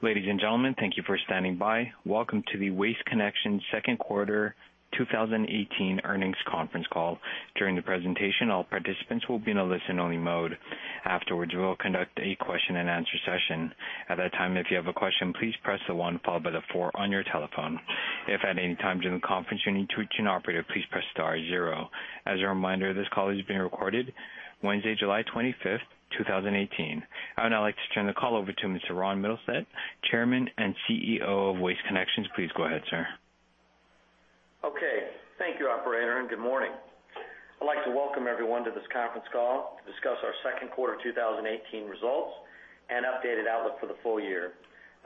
Ladies and gentlemen, thank you for standing by. Welcome to the Waste Connections second quarter 2018 earnings conference call. During the presentation, all participants will be in a listen-only mode. Afterwards, we will conduct a question-and-answer session. At that time, if you have a question, please press the 1 followed by the 4 on your telephone. If at any time during the conference you need to reach an operator, please press star zero. As a reminder, this call is being recorded Wednesday, July 25, 2018. I would now like to turn the call over to Mr. Ron Mittelstaedt, Chairman and Chief Executive Officer of Waste Connections. Please go ahead, sir. Okay. Thank you, operator. Good morning. I'd like to welcome everyone to this conference call to discuss our second quarter 2018 results and updated outlook for the full year,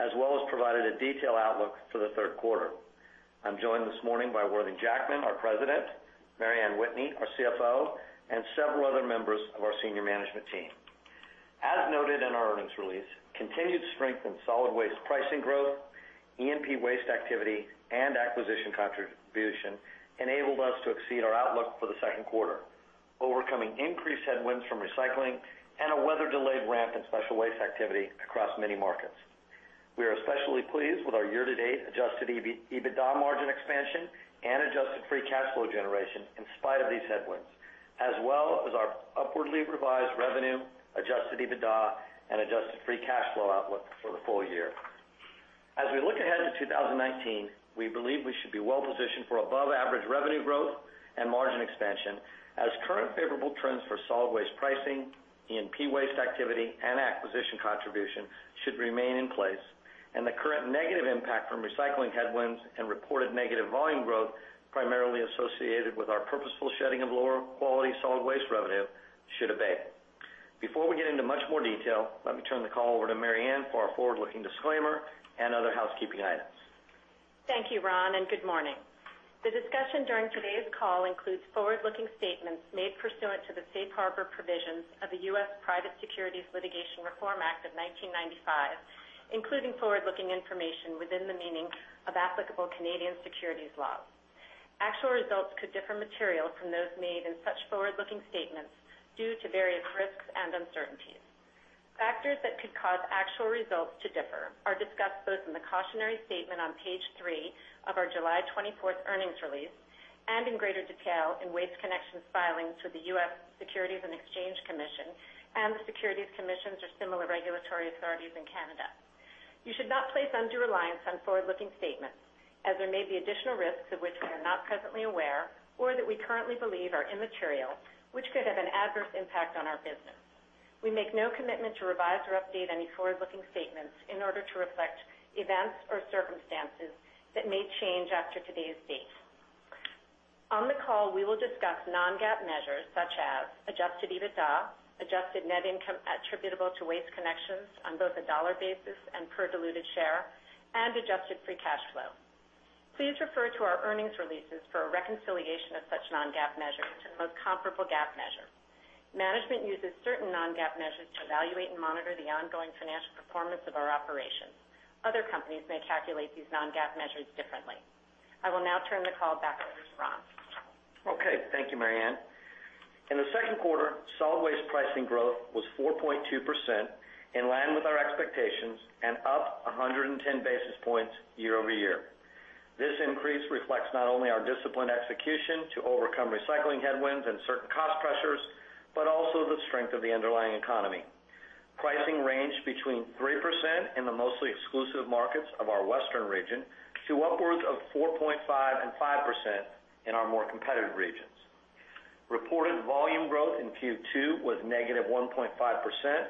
as well as provide a detailed outlook for the third quarter. I'm joined this morning by Worthing Jackman, our President, Mary Anne Whitney, our Chief Financial Officer, and several other members of our senior management team. As noted in our earnings release, continued strength in solid waste pricing growth, E&P waste activity, and acquisition contribution enabled us to exceed our outlook for the second quarter, overcoming increased headwinds from recycling and a weather-delayed ramp in special waste activity across many markets. We are especially pleased with our year-to-date Adjusted EBITDA margin expansion and Adjusted free cash flow generation in spite of these headwinds, as well as our upwardly revised revenue, Adjusted EBITDA, and Adjusted free cash flow outlook for the full year. As we look ahead to 2019, we believe we should be well-positioned for above-average revenue growth and margin expansion as current favorable trends for solid waste pricing, E&P waste activity, and acquisition contribution should remain in place, and the current negative impact from recycling headwinds and reported negative volume growth, primarily associated with our purposeful shedding of lower-quality solid waste revenue, should abate. Before we get into much more detail, let me turn the call over to Mary Anne for our forward-looking disclaimer and other housekeeping items. Thank you, Ron. Good morning. The discussion during today's call includes forward-looking statements made pursuant to the Safe Harbor Provisions of the U.S. Private Securities Litigation Reform Act of 1995, including forward-looking information within the meaning of applicable Canadian securities laws. Actual results could differ material from those made in such forward-looking statements due to various risks and uncertainties. Factors that could cause actual results to differ are discussed both in the cautionary statement on page three of our July 24th earnings release and in greater detail in Waste Connections's filings with the U.S. Securities and Exchange Commission and the Securities Commissions or similar regulatory authorities in Canada. You should not place undue reliance on forward-looking statements as there may be additional risks of which we are not presently aware or that we currently believe are immaterial, which could have an adverse impact on our business. We make no commitment to revise or update any forward-looking statements in order to reflect events or circumstances that may change after today's date. On the call, we will discuss non-GAAP measures such as Adjusted EBITDA, adjusted net income attributable to Waste Connections on both a dollar basis and per diluted share, and Adjusted free cash flow. Please refer to our earnings releases for a reconciliation of such non-GAAP measures to the most comparable GAAP measure. Management uses certain non-GAAP measures to evaluate and monitor the ongoing financial performance of our operations. Other companies may calculate these non-GAAP measures differently. I will now turn the call back over to Ron. Okay. Thank you, Mary Anne. In the second quarter, solid waste pricing growth was 4.2%, in line with our expectations and up 110 basis points year-over-year. This increase reflects not only our disciplined execution to overcome recycling headwinds and certain cost pressures, but also the strength of the underlying economy. Pricing ranged between 3% in the mostly exclusive markets of our Western region to upwards of 4.5% and 5% in our more competitive regions. Reported volume growth in Q2 was -1.5%,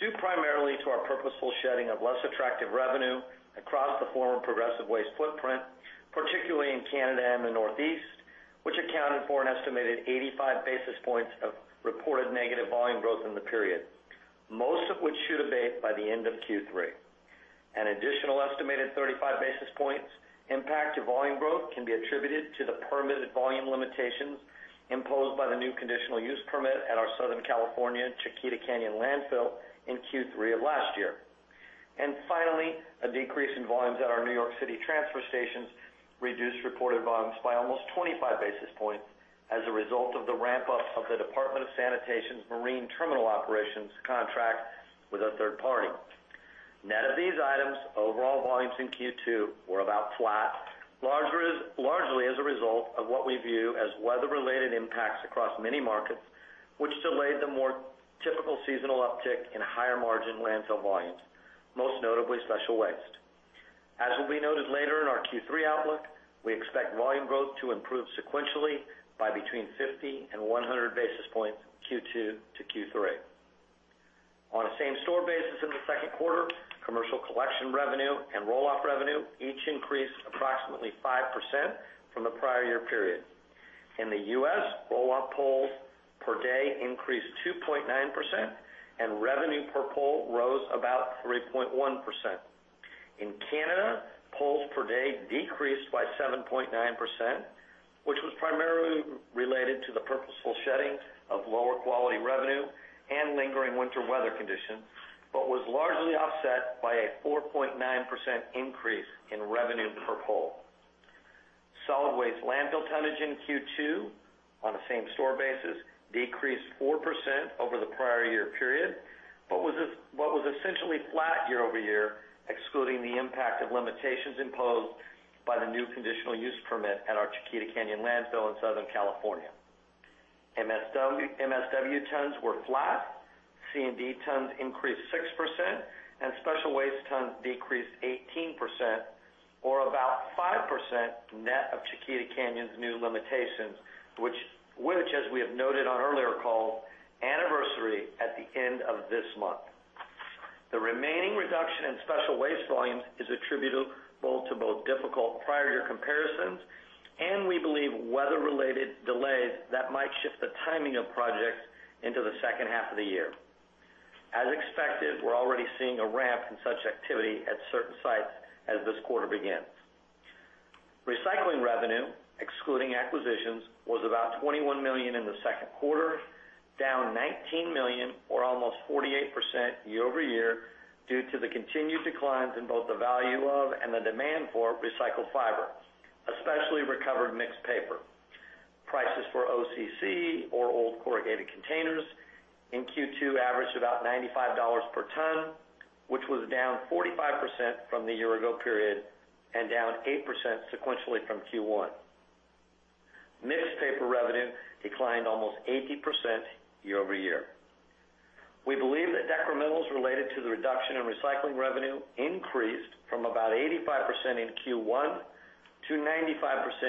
due primarily to our purposeful shedding of less attractive revenue across the former Progressive Waste footprint, particularly in Canada and the Northeast, which accounted for an estimated 85 basis points of reported negative volume growth in the period, most of which should abate by the end of Q3. An additional estimated 35 basis points impact to volume growth can be attributed to the permitted volume limitations imposed by the new Conditional Use Permit at our Southern California Chiquita Canyon Landfill in Q3 of last year. Finally, a decrease in volumes at our New York City transfer stations reduced reported volumes by almost 25 basis points as a result of the ramp-up of the Department of Sanitation's marine terminal operations contract with a third party. Net of these items, overall volumes in Q2 were about flat, largely as a result of what we view as weather-related impacts across many markets, which delayed the more typical seasonal uptick in higher-margin landfill volumes, most notably special waste. As will be noted later in our Q3 outlook, we expect volume growth to improve sequentially by between 50 and 100 basis points Q2 to Q3. On a same-store basis in the second quarter, commercial collection revenue and roll-off revenue each increased approximately 5% from the prior year period. In the U.S., roll-off pulls per day increased 2.9%, and revenue per pull rose about 3.1%. In Canada, pulls per day decreased by 7.9%, which was primarily related to the purposeful shedding of lower-quality revenue and lingering winter weather conditions, but was largely offset by a 4.9% increase in revenue per pull. Solid waste landfill tonnage in Q2 on a same-store basis decreased 4% over the prior year period, but was essentially flat year-over-year, excluding the impact of limitations imposed by the new Conditional Use Permit at our Chiquita Canyon Landfill in Southern California. MSW tons were flat, C&D tons increased 6%, and special waste tons decreased 18%, or about 5% net of Chiquita Canyon's new limitations, which, as we have noted on earlier calls, anniversary at the end of this month. The remaining reduction in special waste volumes is attributable to both difficult prior year comparisons and, we believe, weather-related delays that might shift the timing of projects into the second half of the year. As expected, we're already seeing a ramp in such activity at certain sites as this quarter begins. Recycling revenue, excluding acquisitions, was about $21 million in the second quarter, down $19 million or almost 48% year-over-year, due to the continued declines in both the value of and the demand for recycled fiber, especially recovered mixed paper. Prices for OCC or old corrugated containers in Q2 averaged about $95 per ton, which was down 45% from the year ago period and down 8% sequentially from Q1. Mixed paper revenue declined almost 80% year-over-year. We believe that decrementals related to the reduction in recycling revenue increased from about 85% in Q1 to 95%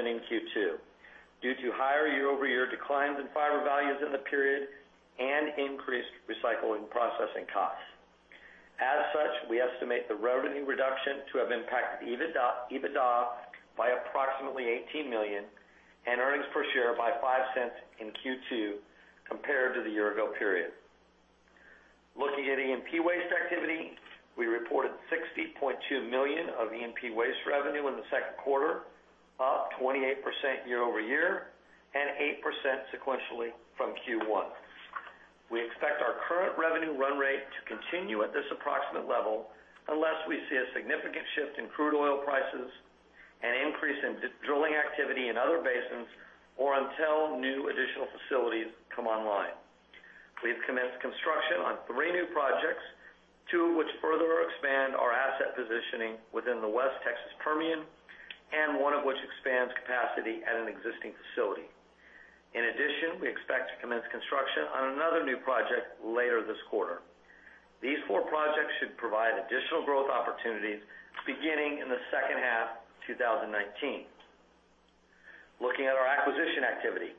in Q2 due to higher year-over-year declines in fiber values in the period and increased recycling processing costs. As such, we estimate the revenue reduction to have impacted EBITDA by approximately $18 million and earnings per share by $0.05 in Q2 compared to the year ago period. Looking at E&P waste activity, we reported $60.2 million of E&P waste revenue in the second quarter, up 28% year-over-year and 8% sequentially from Q1. We expect our current revenue run rate to continue at this approximate level unless we see a significant shift in crude oil prices, an increase in drilling activity in other basins, or until new additional facilities come online. We've commenced construction on three new projects, two which further expand our asset positioning within the West Texas Permian, and one of which expands capacity at an existing facility. In addition, we expect to commence construction on another new project later this quarter. These four projects should provide additional growth opportunities beginning in the second half of 2019. Looking at our acquisition activity.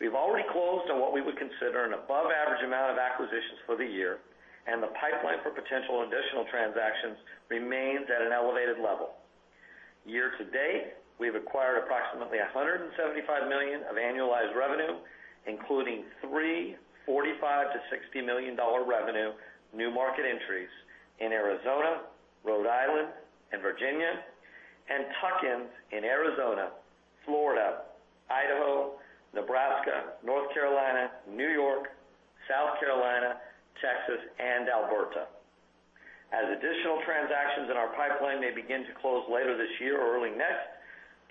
We've already closed on what we would consider an above-average amount of acquisitions for the year, and the pipeline for potential additional transactions remains at an elevated level. Year to date, we've acquired approximately $175 million of annualized revenue, including three $45 million-$60 million revenue new market entries in Arizona, Rhode Island, and Virginia, and tuck-ins in Arizona, Florida, Idaho, Nebraska, North Carolina, New York, South Carolina, Texas, and Alberta. As additional transactions in our pipeline may begin to close later this year or early next,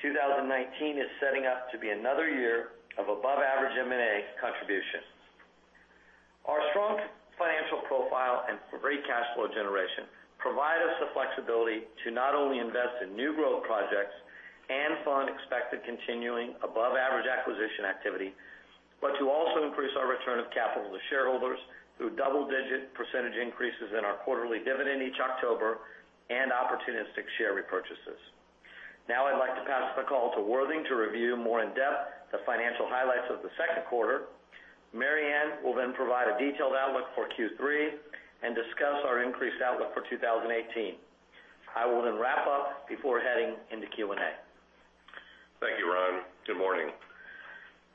2019 is setting up to be another year of above-average M&A contribution. Our strong financial profile and great cash flow generation provide us the flexibility to not only invest in new growth projects and fund expected continuing above-average acquisition activity, but to also increase our return of capital to shareholders through double-digit percentage increases in our quarterly dividend each October and opportunistic share repurchases. Now I'd like to pass the call to Worthing to review more in depth the financial highlights of the second quarter. Mary Anne will then provide a detailed outlook for Q3 and discuss our increased outlook for 2018. I will then wrap up before heading into Q&A. Thank you, Ron. Good morning.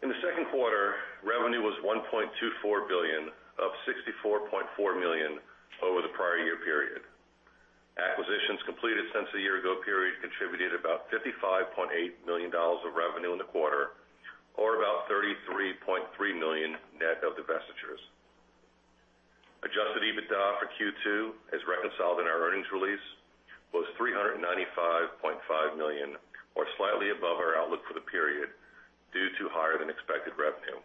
In the second quarter, revenue was $1.24 billion, up $64.4 million over the prior year period. Acquisitions completed since the year-ago period contributed about $55.8 million of revenue in the quarter, or about $33.3 million net of divestitures. Adjusted EBITDA for Q2, as reconciled in our earnings release, was $395.5 million, or slightly above our outlook for the period due to higher-than-expected revenue.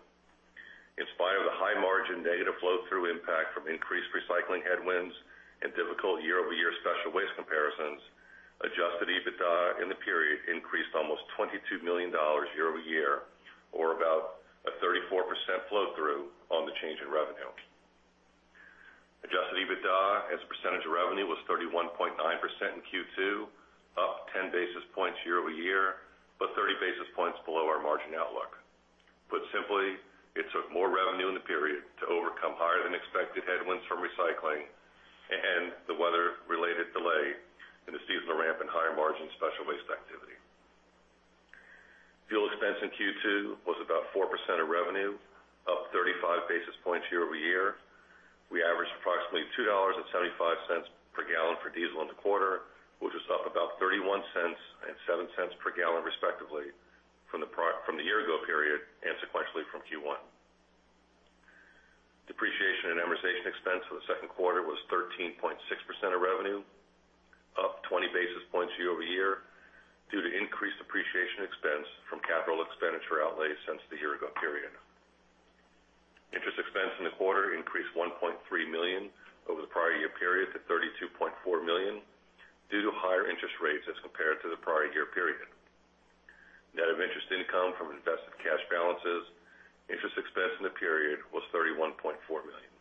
In spite of the high margin negative flow-through impact from increased recycling headwinds and difficult year-over-year special waste comparisons, Adjusted EBITDA in the period increased almost $22 million year-over-year, or about a 34% flow-through on the change in revenue. Adjusted EBITDA as a percentage of revenue was 31.9% in Q2, up 10 basis points year-over-year, but 30 basis points below our margin outlook. Put simply, it took more revenue in the period to overcome higher-than-expected headwinds from recycling and the weather-related delay in the seasonal ramp in higher margin special waste activity. Fuel expense in Q2 was about 4% of revenue, up 35 basis points year-over-year. We averaged approximately $2.75 per gallon for diesel in the quarter, which was up about $0.31 and $0.07 per gallon respectively from the year-ago period and sequentially from Q1. Amortization expense for the second quarter was 13.6% of revenue, up 20 basis points year-over-year due to increased depreciation expense from capital expenditure outlays since the year-ago period. Interest expense in the quarter increased $1.3 million over the prior year period to $32.4 million due to higher interest rates as compared to the prior year period. Net of interest income from invested cash balances, interest expense in the period was $31.4 million.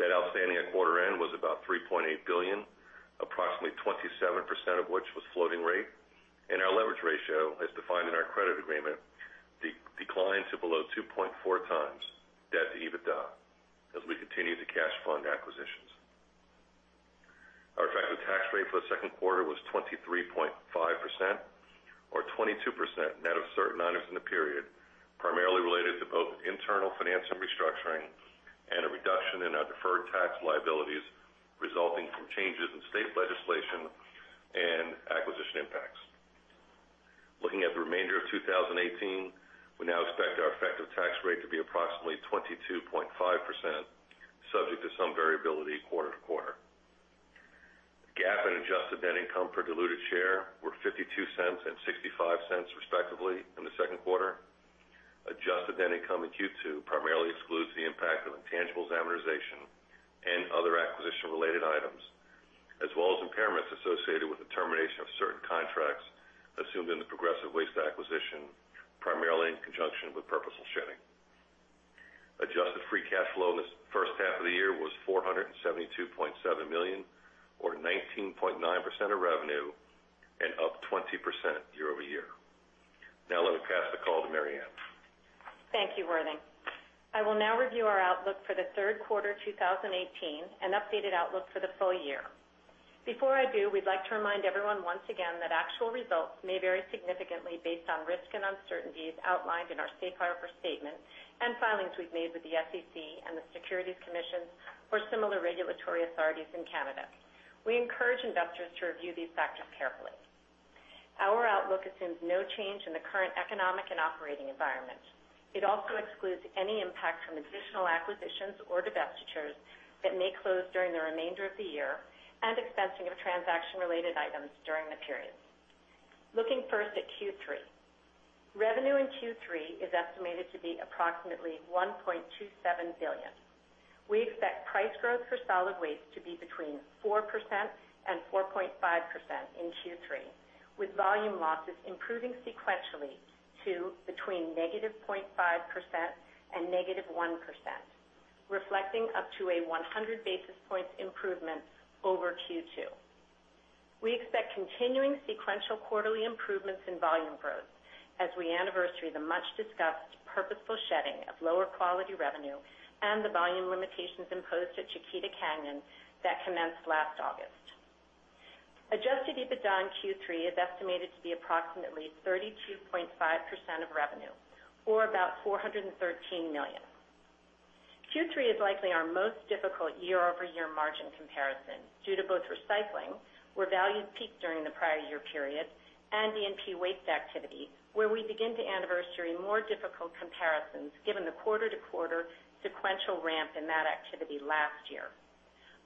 Debt outstanding at quarter end was about $3.8 billion, approximately 27% of which was floating rate, and our leverage ratio, as defined in our credit agreement, declined to below 2.4 times debt to EBITDA as we continue to cash fund acquisitions. Our effective tax rate for the second quarter was 23.5%, or 22% net of certain items in the period, primarily related to both internal financing restructuring and a reduction in our deferred tax liabilities resulting from changes in state legislation and acquisition impacts. Looking at the remainder of 2018, we now expect our effective tax rate to be approximately 22.5%, subject to some variability quarter-to-quarter. GAAP and adjusted net income per diluted share were $0.52 and $0.65 respectively in the second quarter. Adjusted net income in Q2 primarily excludes the impact of intangibles amortization and other acquisition-related items, as well as impairments associated with the termination of certain contracts assumed in the Progressive Waste acquisition, primarily in conjunction with purposeful shedding. Adjusted free cash flow in the first half of the year was $472.7 million, or 19.9% of revenue, and up 20% year-over-year. Let me pass the call to Mary Anne. Thank you, Worthing. I will now review our outlook for the third quarter 2018 and updated outlook for the full year. Before I do, we'd like to remind everyone once again that actual results may vary significantly based on risks and uncertainties outlined in our safe harbor statement and filings we've made with the SEC and the securities commissions or similar regulatory authorities in Canada. We encourage investors to review these factors carefully. Our outlook assumes no change in the current economic and operating environment. It also excludes any impact from additional acquisitions or divestitures that may close during the remainder of the year and expensing of transaction-related items during the period. Looking first at Q3. Revenue in Q3 is estimated to be approximately $1.27 billion. We expect price growth for solid waste to be between 4% and 4.5% in Q3, with volume losses improving sequentially to between negative 0.5% and negative 1%, reflecting up to a 100 basis points improvement over Q2. We expect continuing sequential quarterly improvements in volume growth as we anniversary the much-discussed purposeful shedding of lower-quality revenue and the volume limitations imposed at Chiquita Canyon that commenced last August. Adjusted EBITDA in Q3 is estimated to be approximately 32.5% of revenue, or about $413 million. Q3 is likely our most difficult year-over-year margin comparison due to both recycling, where values peaked during the prior year period, and E&P waste activity, where we begin to anniversary more difficult comparisons given the quarter-to-quarter sequential ramp in that activity last year.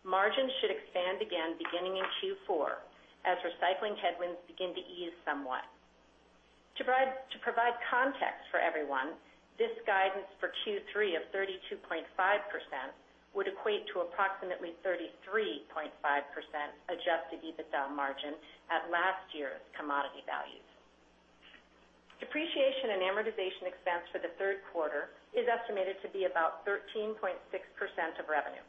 Margins should expand again beginning in Q4 as recycling headwinds begin to ease somewhat. To provide context for everyone, this guidance for Q3 of 32.5% would equate to approximately 33.5% Adjusted EBITDA margin at last year's commodity values. Depreciation and amortization expense for the third quarter is estimated to be about 13.6% of revenue.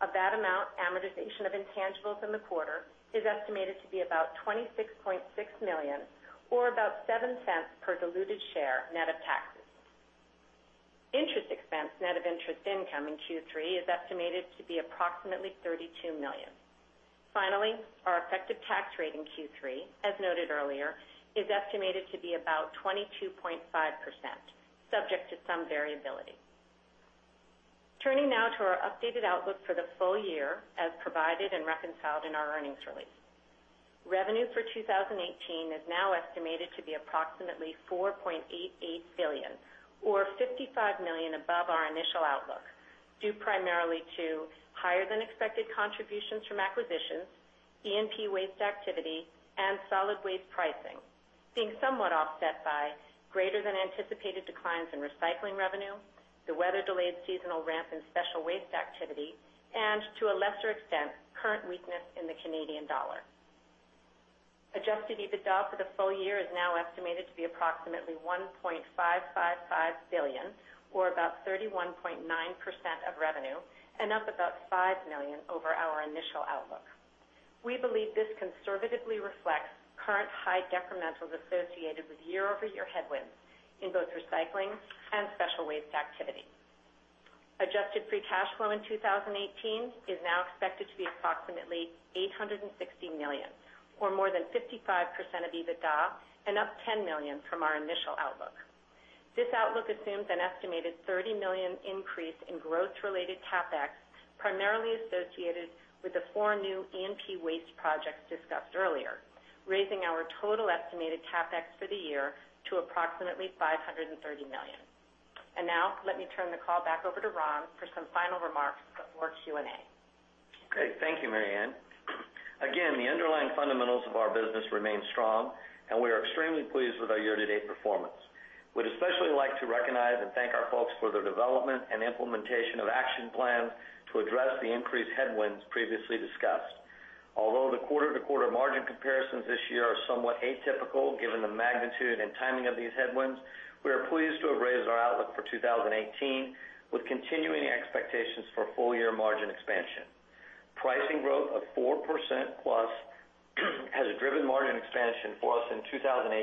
Of that amount, amortization of intangibles in the quarter is estimated to be about $26.6 million or about $0.07 per diluted share net of taxes. Interest expense net of interest income in Q3 is estimated to be approximately $32 million. Our effective tax rate in Q3, as noted earlier, is estimated to be about 22.5%, subject to some variability. Turning now to our updated outlook for the full year, as provided and reconciled in our earnings release. Revenue for 2018 is now estimated to be approximately $4.88 billion, or $55 million above our initial outlook, due primarily to higher-than-expected contributions from acquisitions, E&P waste activity, and solid waste pricing, being somewhat offset by greater-than-anticipated declines in recycling revenue, the weather-delayed seasonal ramp in special waste activity, and, to a lesser extent, current weakness in the Canadian dollar. Adjusted EBITDA for the full year is now estimated to be approximately $1.555 billion, or about 31.9% of revenue, and up about $5 million over our initial outlook. We believe this conservatively reflects current high decrementals associated with year-over-year headwinds in both recycling and special waste activity. Adjusted free cash flow in 2018 is now expected to be approximately $860 million, or more than 55% of EBITDA, and up $10 million from our initial outlook. This outlook assumes an estimated $30 million increase in growth-related CapEx primarily associated with the four new E&P waste projects discussed earlier, raising our total estimated CapEx for the year to approximately $530 million. Now let me turn the call back over to Ron for some final remarks before Q&A. Great. Thank you, Mary Anne. Again, the underlying fundamentals of our business remain strong, and we are extremely pleased with our year-to-date performance. We'd especially like to recognize and thank our folks for their development and implementation of action plans to address the increased headwinds previously discussed. Although the quarter-to-quarter margin comparisons this year are somewhat atypical given the magnitude and timing of these headwinds, we are pleased to have raised our outlook for 2018 with continuing expectations for full-year margin expansion. Pricing growth of 4% plus has driven margin expansion for us in 2018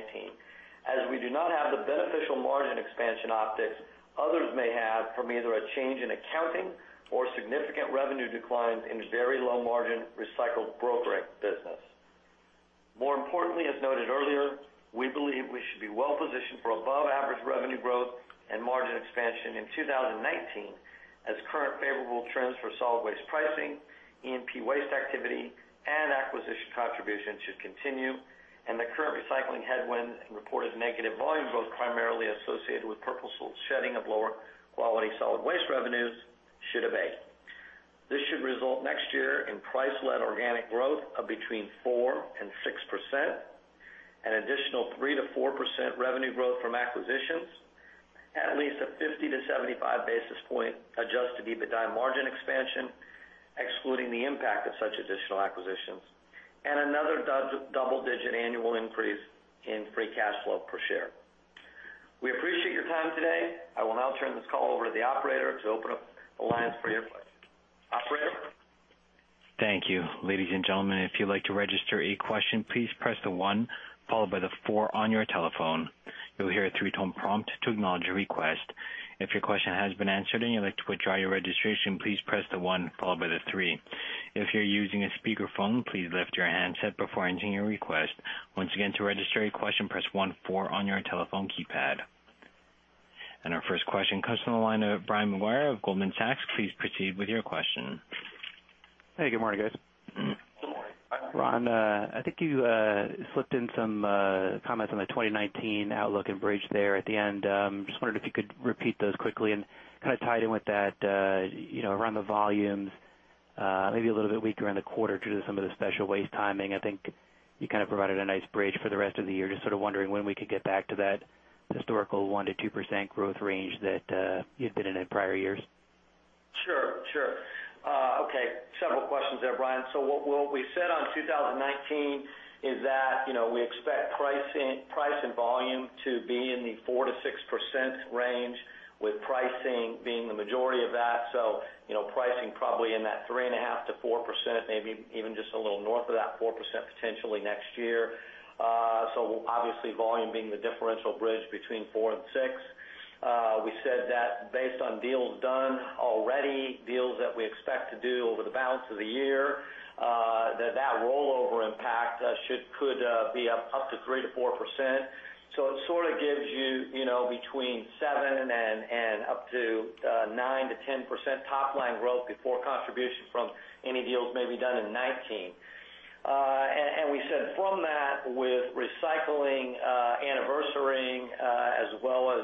as we do not have the beneficial margin expansion optics others may have from either a change in accounting or significant revenue declines in very low margin recycled brokerage business. More importantly, as noted earlier, we believe we should be well-positioned for above-average revenue growth and margin expansion in 2019 as current favorable trends for solid waste pricing, E&P waste activity, and acquisition contributions should continue, and the current recycling headwinds and reported negative volume growth primarily associated with purposeful shedding of lower-quality solid waste revenues should abate. This should result next year in price-led organic growth of between 4% and 6%, an additional 3% to 4% revenue growth from acquisitions, and at least a 50 to 75 basis point adjusted EBITDA margin expansion, excluding the impact of such additional acquisitions, and another double-digit annual increase in free cash flow per share. We appreciate your time today. I will now turn this call over to the operator to open up the lines for your questions. Operator? Thank you. Ladies and gentlemen, if you'd like to register a question, please press the one followed by the four on your telephone. You'll hear a three-tone prompt to acknowledge your request. If your question has been answered and you'd like to withdraw your registration, please press the one followed by the three. If you're using a speakerphone, please lift your handset before entering your request. Once again, to register your question, press one, four on your telephone keypad. Our first question comes from the line of Brian Maguire of Goldman Sachs. Please proceed with your question. Hey, good morning, guys. Good morning. Ron, I think you slipped in some comments on the 2019 outlook and bridge there at the end. Just wondered if you could repeat those quickly and kind of tied in with that, around the volumes, maybe a little bit weaker in the quarter due to some of the special waste timing. I think you kind of provided a nice bridge for the rest of the year. Just sort of wondering when we could get back to that historical 1%-2% growth range that you'd been in prior years. Sure. Okay. Several questions there, Brian. What we said on 2019 is that we expect price and volume to be in the 4%-6% range, with pricing being the majority of that. Pricing probably in that 3.5%-4%, maybe even just a little north of that 4% potentially next year. Obviously, volume being the differential bridge between four and six. We said that based on deals done already, deals that we expect to do over the balance of the year, that rollover impact could be up to 3%-4%. It sort of gives you between seven and up to 9%-10% top-line growth before contribution from any deals may be done in 2019. We said from that, with recycling anniversarying, as well as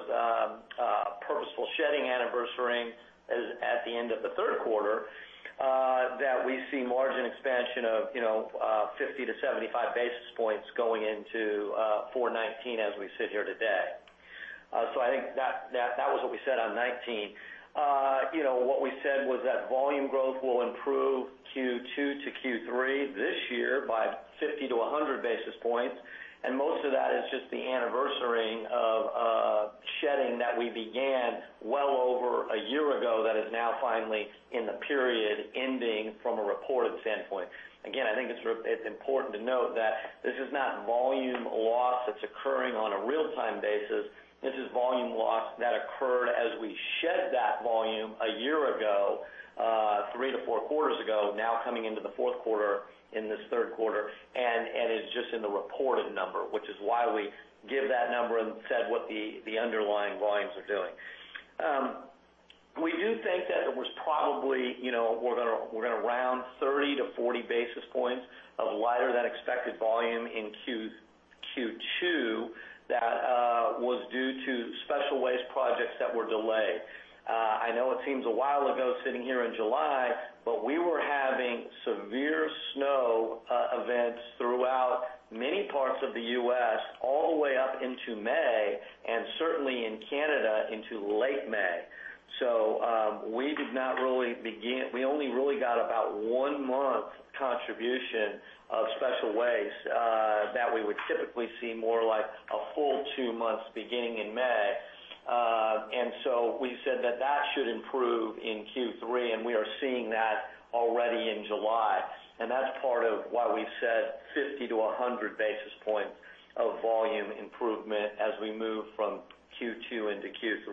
purposeful shedding anniversarying at the end of the third quarter, that we see margin expansion of 50-75 basis points going into for 2019 as we sit here today. I think that was what we said on 2019. What we said was that volume growth will improve Q2 to Q3 this year by 50-100 basis points, and most of that is just the anniversarying of shedding that we began well over one year ago that is now finally in the period ending from a reported standpoint. Again, I think it's important to note that this is not volume loss that's occurring on a real-time basis. This is volume loss that occurred as we shed that volume one year ago, three to four quarters ago, now coming into the fourth quarter in this third quarter, and is just in the reported number, which is why we give that number and said what the underlying volumes are doing. We do think that it was probably, we're going to round 30-40 basis points of lighter than expected volume in Q2 that was due to special waste projects that were delayed. I know it seems a while ago sitting here in July, but we were having severe snow events throughout many parts of the U.S. all the way up into May and certainly in Canada into late May. We only really got about one month contribution of special waste, that we would typically see more like a full two months beginning in May. We said that that should improve in Q3, and we are seeing that already in July. That's part of why we said 50-100 basis points of volume improvement as we move from Q2 into Q3.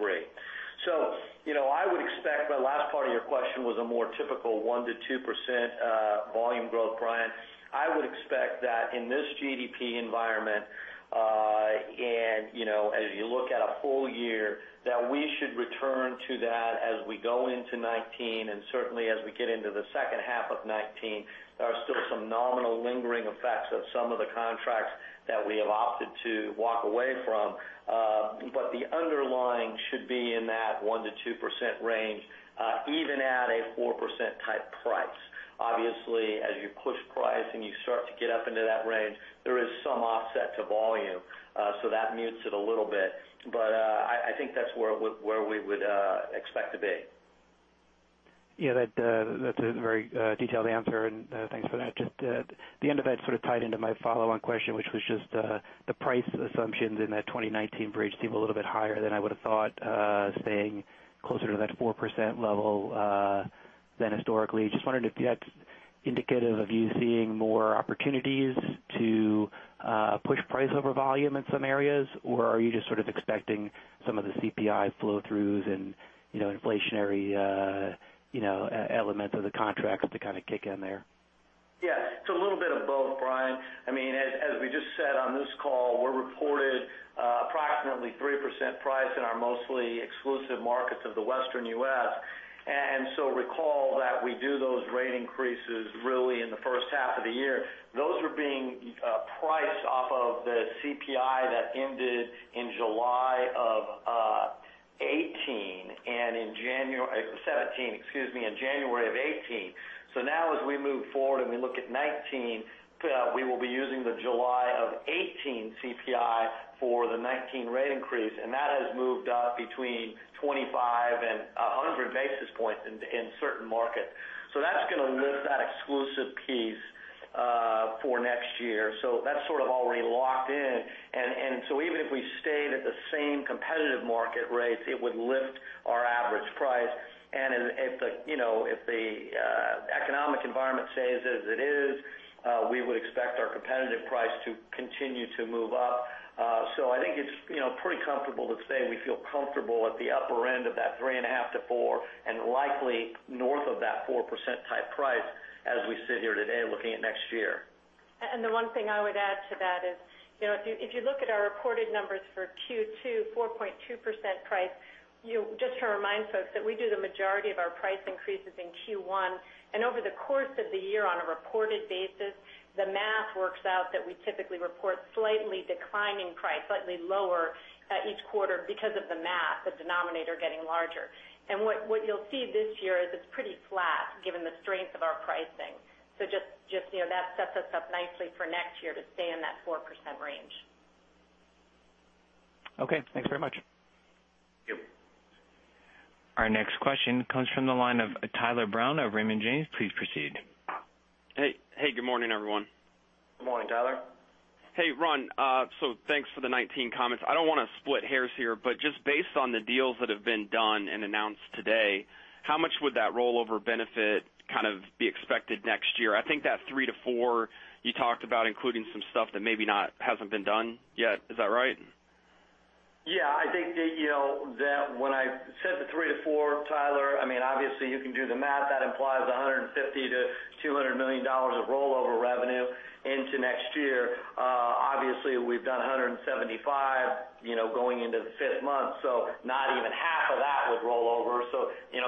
I would expect the last part of your question was a more typical 1%-2% volume growth, Brian. I would expect that in this GDP environment. As you look at a full year, that we should return to that as we go into 2019, and certainly as we get into the second half of 2019. There are still some nominal lingering effects of some of the contracts that we have opted to walk away from. The underlying should be in that 1%-2% range, even at a 4%-type price. As you push price and you start to get up into that range, there is some offset to volume. That mutes it a little bit. I think that's where we would expect to be. Yeah, that's a very detailed answer, and thanks for that. Just the end of that sort of tied into my follow-on question, which was just the price assumptions in that 2019 bridge seem a little bit higher than I would've thought, staying closer to that 4% level than historically. Just wondering if that's indicative of you seeing more opportunities to push price over volume in some areas, or are you just sort of expecting some of the CPI flow throughs and inflationary elements of the contracts to kind of kick in there? Yeah. It's a little bit of both, Brian. As we just said on this call, we reported approximately 3% price in our mostly exclusive markets of the Western U.S. Recall that we do those rate increases really in the first half of the year. Those are being priced off of the CPI that ended in July of 2018 and in January 2017, excuse me, and January of 2018. Now as we move forward and we look at 2019, we will be using the July of 2018 CPI for the 2019 rate increase, and that has moved up between 25 and 100 basis points in certain markets. That's going to lift that exclusive piece for next year. That's sort of already locked in. Even if we stayed at the same competitive market rates, it would lift our average price. If the economic environment stays as it is, we would expect our competitive price to continue to move up. I think it's pretty comfortable to say we feel comfortable at the upper end of that 3.5%-4% and likely north of that 4%-type price as we sit here today looking at next year. The one thing I would add to that is, if you look at our reported numbers for Q2, 4.2% price, just to remind folks that we do the majority of our price increases in Q1. Over the course of the year on a reported basis, the math works out that we typically report slightly declining price, slightly lower each quarter because of the math, the denominator getting larger. What you'll see this year is it's pretty flat given the strength of our pricing. Just that sets us up nicely for next year to stay in that 4% range. Okay, thanks very much. Thank you. Our next question comes from the line of Tyler Brown of Raymond James. Please proceed. Hey, good morning, everyone. Good morning, Tyler. Hey, Ron. Thanks for the 2019 comments. I don't want to split hairs here, but just based on the deals that have been done and announced today, how much would that rollover benefit kind of be expected next year? I think that three to four you talked about including some stuff that maybe not hasn't been done yet. Is that right? Yeah, I think that when I said the three to four, Tyler, obviously you can do the math. That implies $150 million-$200 million of rollover revenue into next year. Obviously, we've done 175 going into the fifth month, so not even half of that would roll over.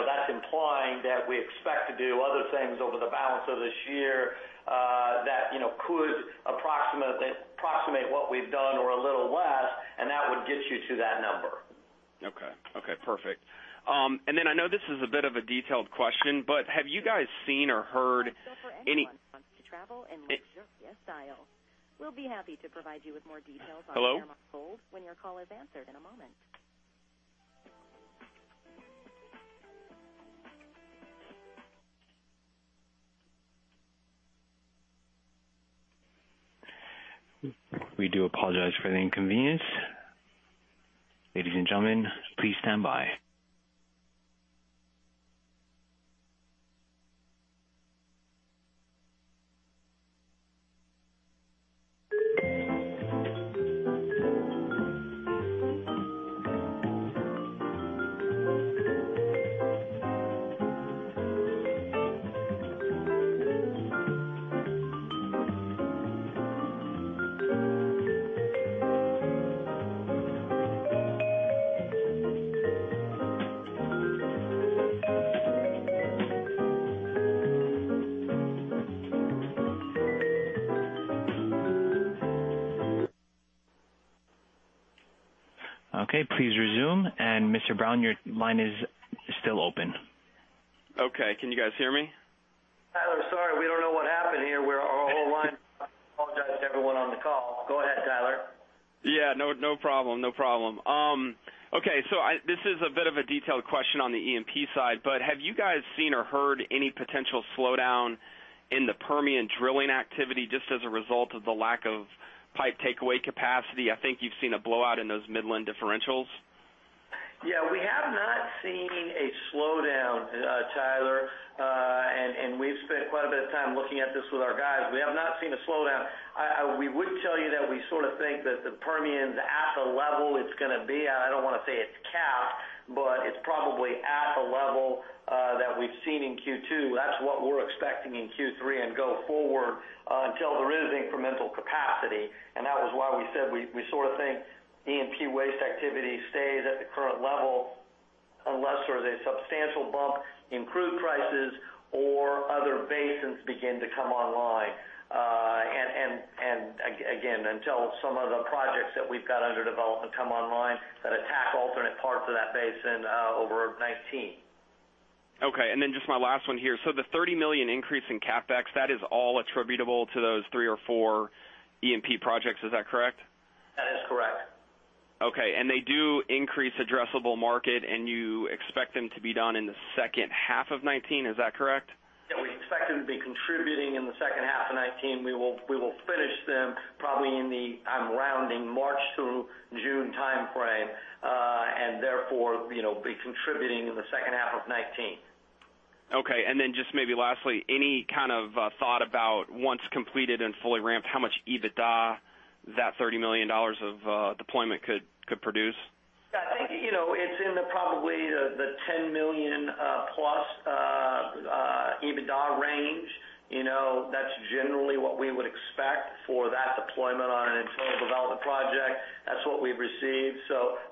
That's implying that we expect to do other things over the balance of this year that could approximate what we've done or a little less, and that would get you to that number. Okay. Okay, perfect. I know this is a bit of a detailed question, have you guys seen or heard any- For anyone who wants to travel and live in style. We'll be happy to provide you with more details. Hello? When your call is answered in a moment. We do apologize for the inconvenience. Ladies and gentlemen, please stand by. Okay. Please resume, Mr. Brown, your line is still open. Okay. Can you guys hear me? Tyler, sorry, we don't know what happened here where our whole line. Apologize to everyone on the call. Go ahead, Tyler. Yeah, no problem, no problem. Okay. This is a bit of a detailed question on the E&P side, but have you guys seen or heard any potential slowdown in the Permian drilling activity just as a result of the lack of pipe takeaway capacity? I think you've seen a blowout in those Midland differentials. Yeah, we have not seen a slowdown, Tyler. We've spent quite a bit of time looking at this with our guys. We have not seen a slowdown. We would tell you that we sort of think that the Permian's the level it's going to be. I don't want to say it's capped, but it's probably at the level that we've seen in Q2. That's what we're expecting in Q3 and go forward until there is incremental capacity. That was why we said we sort of think E&P waste activity stays at the current level unless there's a substantial bump in crude prices or other basins begin to come online. Again, until some of the projects that we've got under development come online that attack alternate parts of that basin over 2019. Just my last one here. The 30 million increase in CapEx, that is all attributable to those three or four E&P projects. Is that correct? That is correct. They do increase addressable market, and you expect them to be done in the second half of 2019. Is that correct? We expect them to be contributing in the second half of 2019. We will finish them probably in the, I'm rounding, March through June timeframe, be contributing in the second half of 2019. Okay, then just maybe lastly, any kind of thought about once completed and fully ramped, how much EBITDA that $30 million of deployment could produce? I think, it's in the probably the $10 million plus EBITDA range. That's generally what we would expect for that deployment on an internal development project. That's what we've received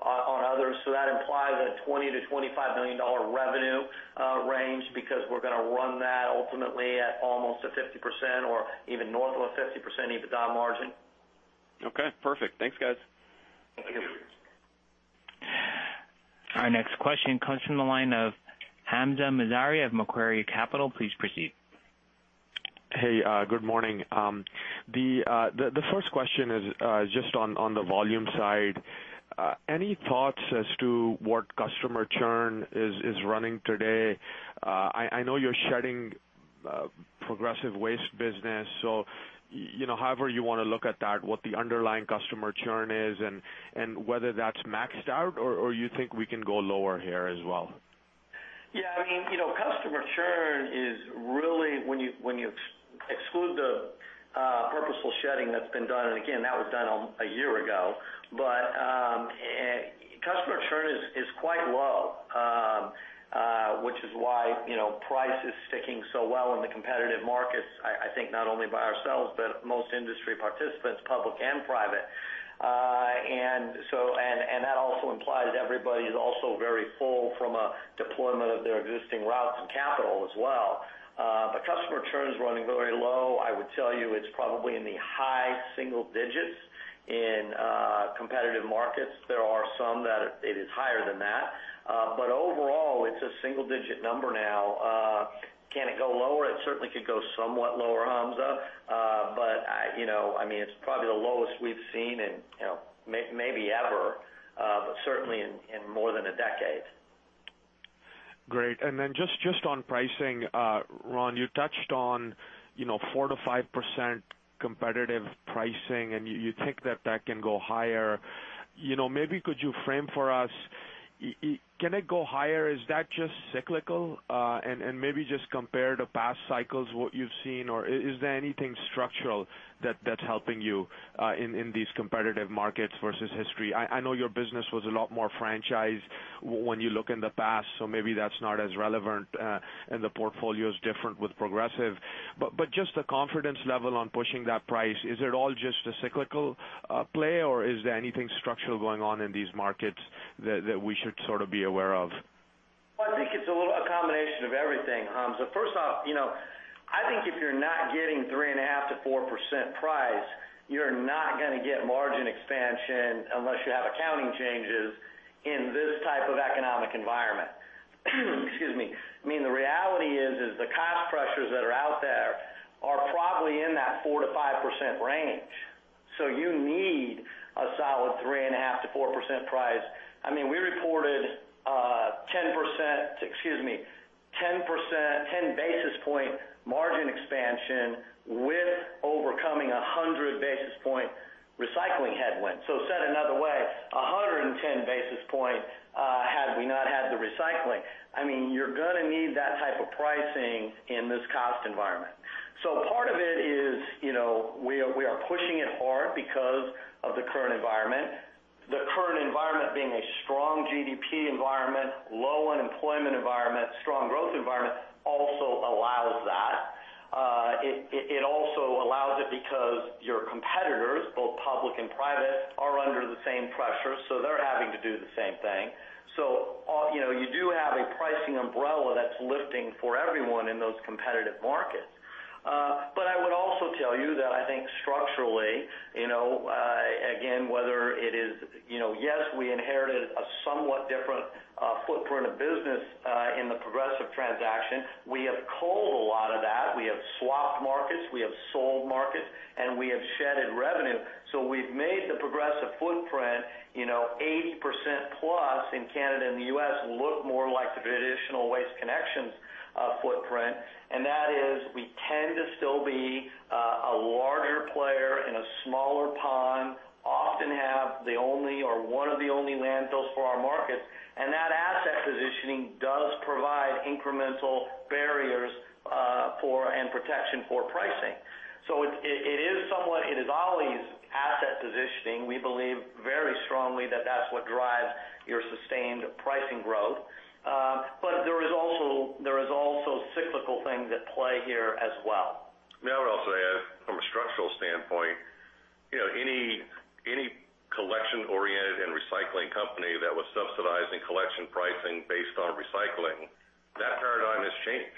on others. That implies a $20 million to $25 million revenue range because we're going to run that ultimately at almost a 50% or even north of a 50% EBITDA margin. Okay, perfect. Thanks, guys. Thank you. Our next question comes from the line of Hamza Mazari of Macquarie Capital. Please proceed. Hey, good morning. The first question is just on the volume side. Any thoughts as to what customer churn is running today? I know you're shedding Progressive Waste business, so however you want to look at that, what the underlying customer churn is and whether that's maxed out or you think we can go lower here as well? Yeah, customer churn is really when you exclude the purposeful shedding that's been done, and again, that was done a year ago. Customer churn is quite low, which is why price is sticking so well in the competitive markets, I think not only by ourselves, but most industry participants, public and private. That also implies everybody is also very full from a deployment of their existing routes and capital as well. Customer churn is running very low. I would tell you it's probably in the high single digits in competitive markets. There are some that it is higher than that. Overall, it's a single-digit number now. Can it go lower? It certainly could go somewhat lower, Hamza. It's probably the lowest we've seen in maybe ever, but certainly in more than a decade. Great. Then just on pricing, Ron, you touched on 4%-5% competitive pricing, you think that that can go higher. Maybe could you frame for us, can it go higher? Is that just cyclical? Maybe just compare to past cycles what you've seen or is there anything structural that's helping you in these competitive markets versus history? I know your business was a lot more franchised when you look in the past, so maybe that's not as relevant and the portfolio is different with Progressive. Just the confidence level on pushing that price, is it all just a cyclical play, or is there anything structural going on in these markets that we should sort of be aware of? Well, I think it's a combination of everything, Hamza. First off, I think if you're not getting 3.5% to 4% price, you're not going to get margin expansion unless you have accounting changes in this type of economic environment. Excuse me. The reality is the cost pressures that are out there are probably in that 4% to 5% range. You need a solid 3.5%-4% price. We reported 10 basis point margin expansion with overcoming 100 basis point recycling headwind. Said another way, 110 basis point had we not had the recycling. You're going to need that type of pricing in this cost environment. Part of it is we are pushing it hard because of the current environment, the current environment being a strong GDP environment, low unemployment environment, strong growth environment also allows that. It also allows it because your competitors, both public and private, are under the same pressure, so they're having to do the same thing. I would also tell you that I think structurally, again, whether it is, yes, we inherited a somewhat different footprint of business in the Progressive transaction. We have culled a lot of that. We have swapped markets, we have sold markets, and we have shedded revenue. We've made the Progressive footprint 80% plus in Canada and the U.S. look more like the traditional Waste Connections footprint. That is we tend to still be a larger player in a smaller pond, often have the only or one of the only landfills for our markets. That asset positioning does provide incremental barriers for and protection for pricing. It is always asset positioning. We believe very strongly that that's what drives your sustained pricing growth. There is also cyclical things at play here as well. I would also add, from a structural standpoint, any collection-oriented and recycling company that was subsidizing collection pricing based on recycling, that paradigm has changed.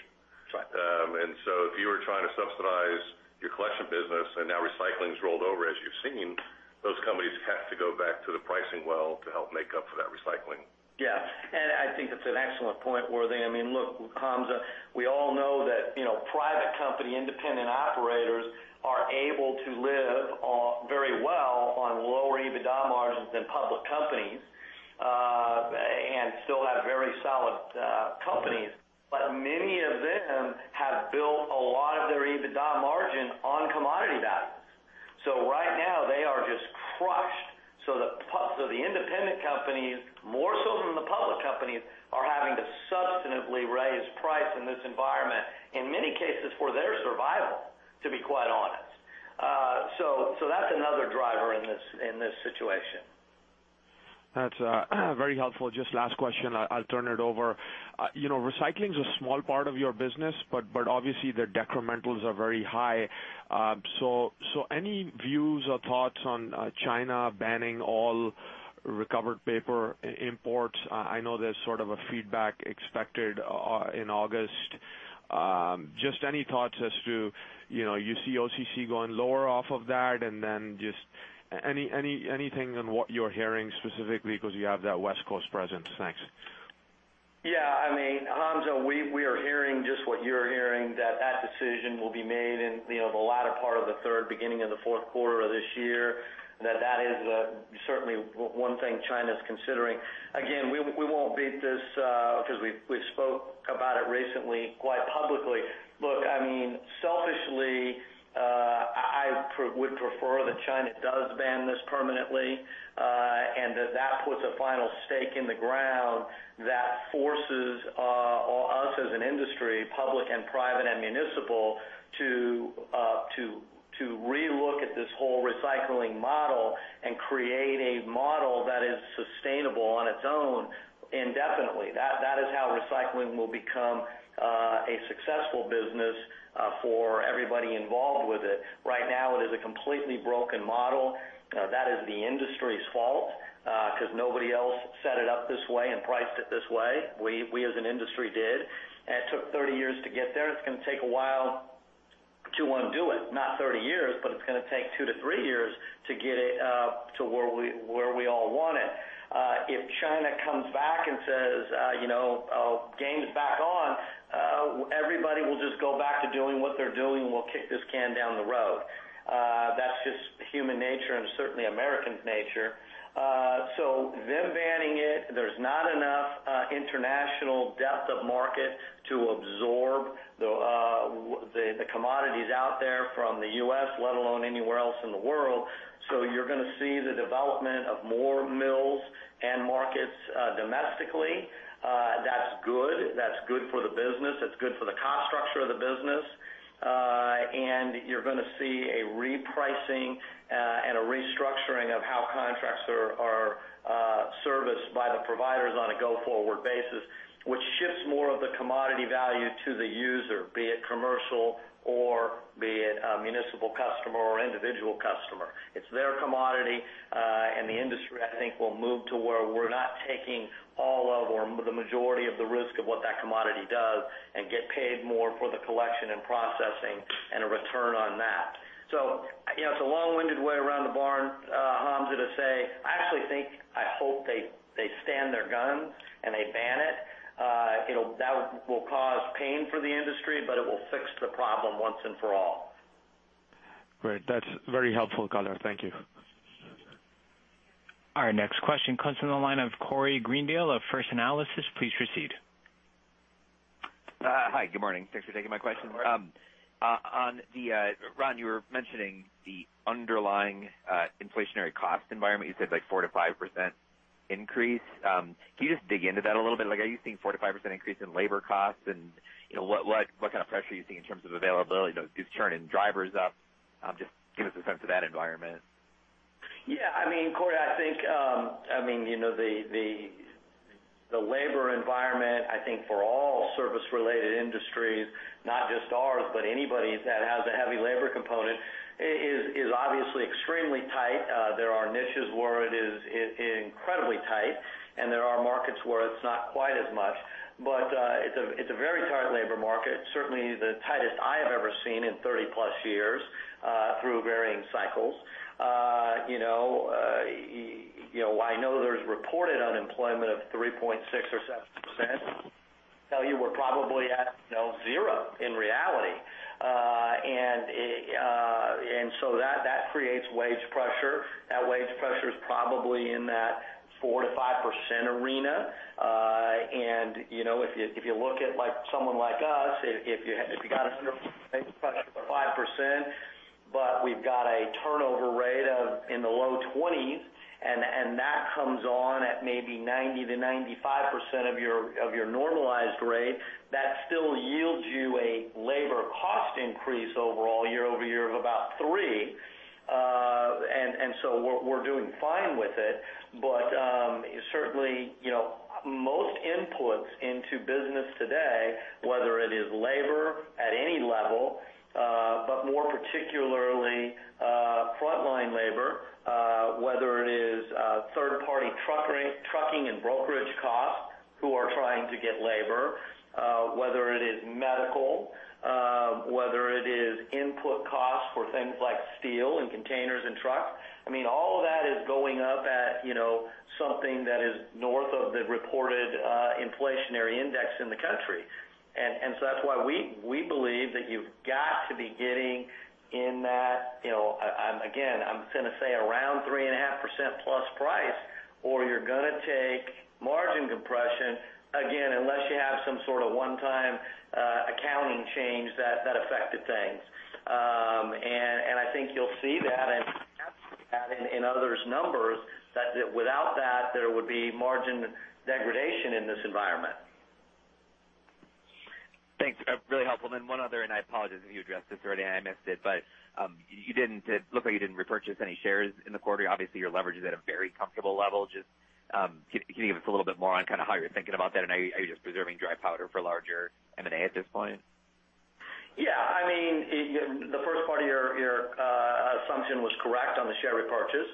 That's right. If you were trying to subsidize your collection business and now recycling's rolled over, as you've seen, those companies have to go back to the pricing well to help make up for that recycling. Yeah. I think that's an excellent point, Worthy. Look, Hamza, we all know that private company independent operators are able to live very well on lower EBITDA margins than public companies, and still have very solid companies. Many of them have built a lot of their EBITDA margin on commodity values. Right now they are just crushed. The independent companies, more so than the public companies, are having to substantively raise price in this environment, in many cases for their survival, to be quite honest. That's another driver in this situation. That's very helpful. Just last question, I'll turn it over. Recycling's a small part of your business, but obviously their decrementals are very high. Any views or thoughts on China banning all recovered paper imports? I know there's sort of a feedback expected in August. Just any thoughts as to, you see OCC going lower off of that, and then just anything on what you're hearing specifically because you have that West Coast presence? Thanks. Yeah. Hamza, we are hearing just what you're hearing, that that decision will be made in the latter part of the third, beginning of the fourth quarter of this year, and that that is certainly one thing China's considering. Again, we won't beat this, because we spoke about it recently quite publicly. Look, selfishly, I would prefer that China does ban this permanently, and that that puts a final stake in the ground that forces us as an industry, public and private and municipal, to re-look at this whole recycling model and create a model that is sustainable on its own indefinitely. That is how recycling will become a successful business for everybody involved with it. Right now, it is a completely broken model. That is the industry's fault, because nobody else set it up this way and priced it this way. We as an industry did. It took 30 years to get there. It's going to take a while to undo it. Not 30 years, but it's going to take two to three years to get it to where we all want it. If China comes back and says, "Game's back on," everybody will just go back to doing what they're doing and we'll kick this can down the road. That's just human nature and certainly American nature. Them banning it, there's not enough international depth of market to absorb the commodities out there from the U.S., let alone anywhere else in the world. You're going to see the development of more mills and markets domestically. That's good. That's good for the business. It's good for the cost structure of the business. You're going to see a repricing and a restructuring of how contracts are serviced by the providers on a go-forward basis, which shifts more of the commodity value to the user, be it commercial or be it a municipal customer or individual customer. It's their commodity, and the industry, I think, will move to where we're not taking all of or the majority of the risk of what that commodity does and get paid more for the collection and processing and a return on that. It's a long-winded way around the barn, Hamza, to say, I actually think, I hope they stand their guns and they ban it. That will cause pain for the industry, but it will fix the problem once and for all. Great. That's very helpful color. Thank you. Our next question comes from the line of Corey Greendale of First Analysis. Please proceed. Hi, good morning. Thanks for taking my question. Good morning. Ron, you were mentioning the underlying inflationary cost environment. You said like 4%-5% increase. Can you just dig into that a little bit? Are you seeing 4%-5% increase in labor costs? What kind of pressure are you seeing in terms of availability? Are you turning drivers up? Just give us a sense of that environment. Corey, I think the labor environment for all service-related industries, not just ours, but anybody that has a heavy labor component, is obviously extremely tight. There are niches where it is incredibly tight, and there are markets where it's not quite as much. It's a very tight labor market, certainly the tightest I have ever seen in 30+ years, through varying cycles. I know there's reported unemployment of 3.6% or 7%. Tell you we're probably at zero in reality. That creates wage pressure. That wage pressure is probably in that 4%-5% arena. If you look at someone like us, if you got 5%, but we've got a turnover in the low 20s, and that comes on at maybe 90%-95% of your normalized rate. That still yields you a labor cost increase overall year-over-year of about 3%. We're doing fine with it. Certainly, most inputs into business today, whether it is labor at any level, but more particularly, frontline labor, whether it is third-party trucking and brokerage costs, who are trying to get labor, whether it is medical, whether it is input costs for things like steel and containers and trucks. All of that is going up at something that is north of the reported inflationary index in the country. That's why we believe that you've got to be getting in that, again, I'm going to say around 3.5%+ price, or you're going to take margin compression again, unless you have some sort of one-time accounting change that affected things. I think you'll see that in others' numbers, that without that, there would be margin degradation in this environment. Thanks. Really helpful. One other, I apologize if you addressed this already and I missed it looked like you didn't repurchase any shares in the quarter. Obviously, your leverage is at a very comfortable level. Can you give us a little bit more on how you're thinking about that, are you just preserving dry powder for larger M&A at this point? The first part of your assumption was correct on the share repurchase.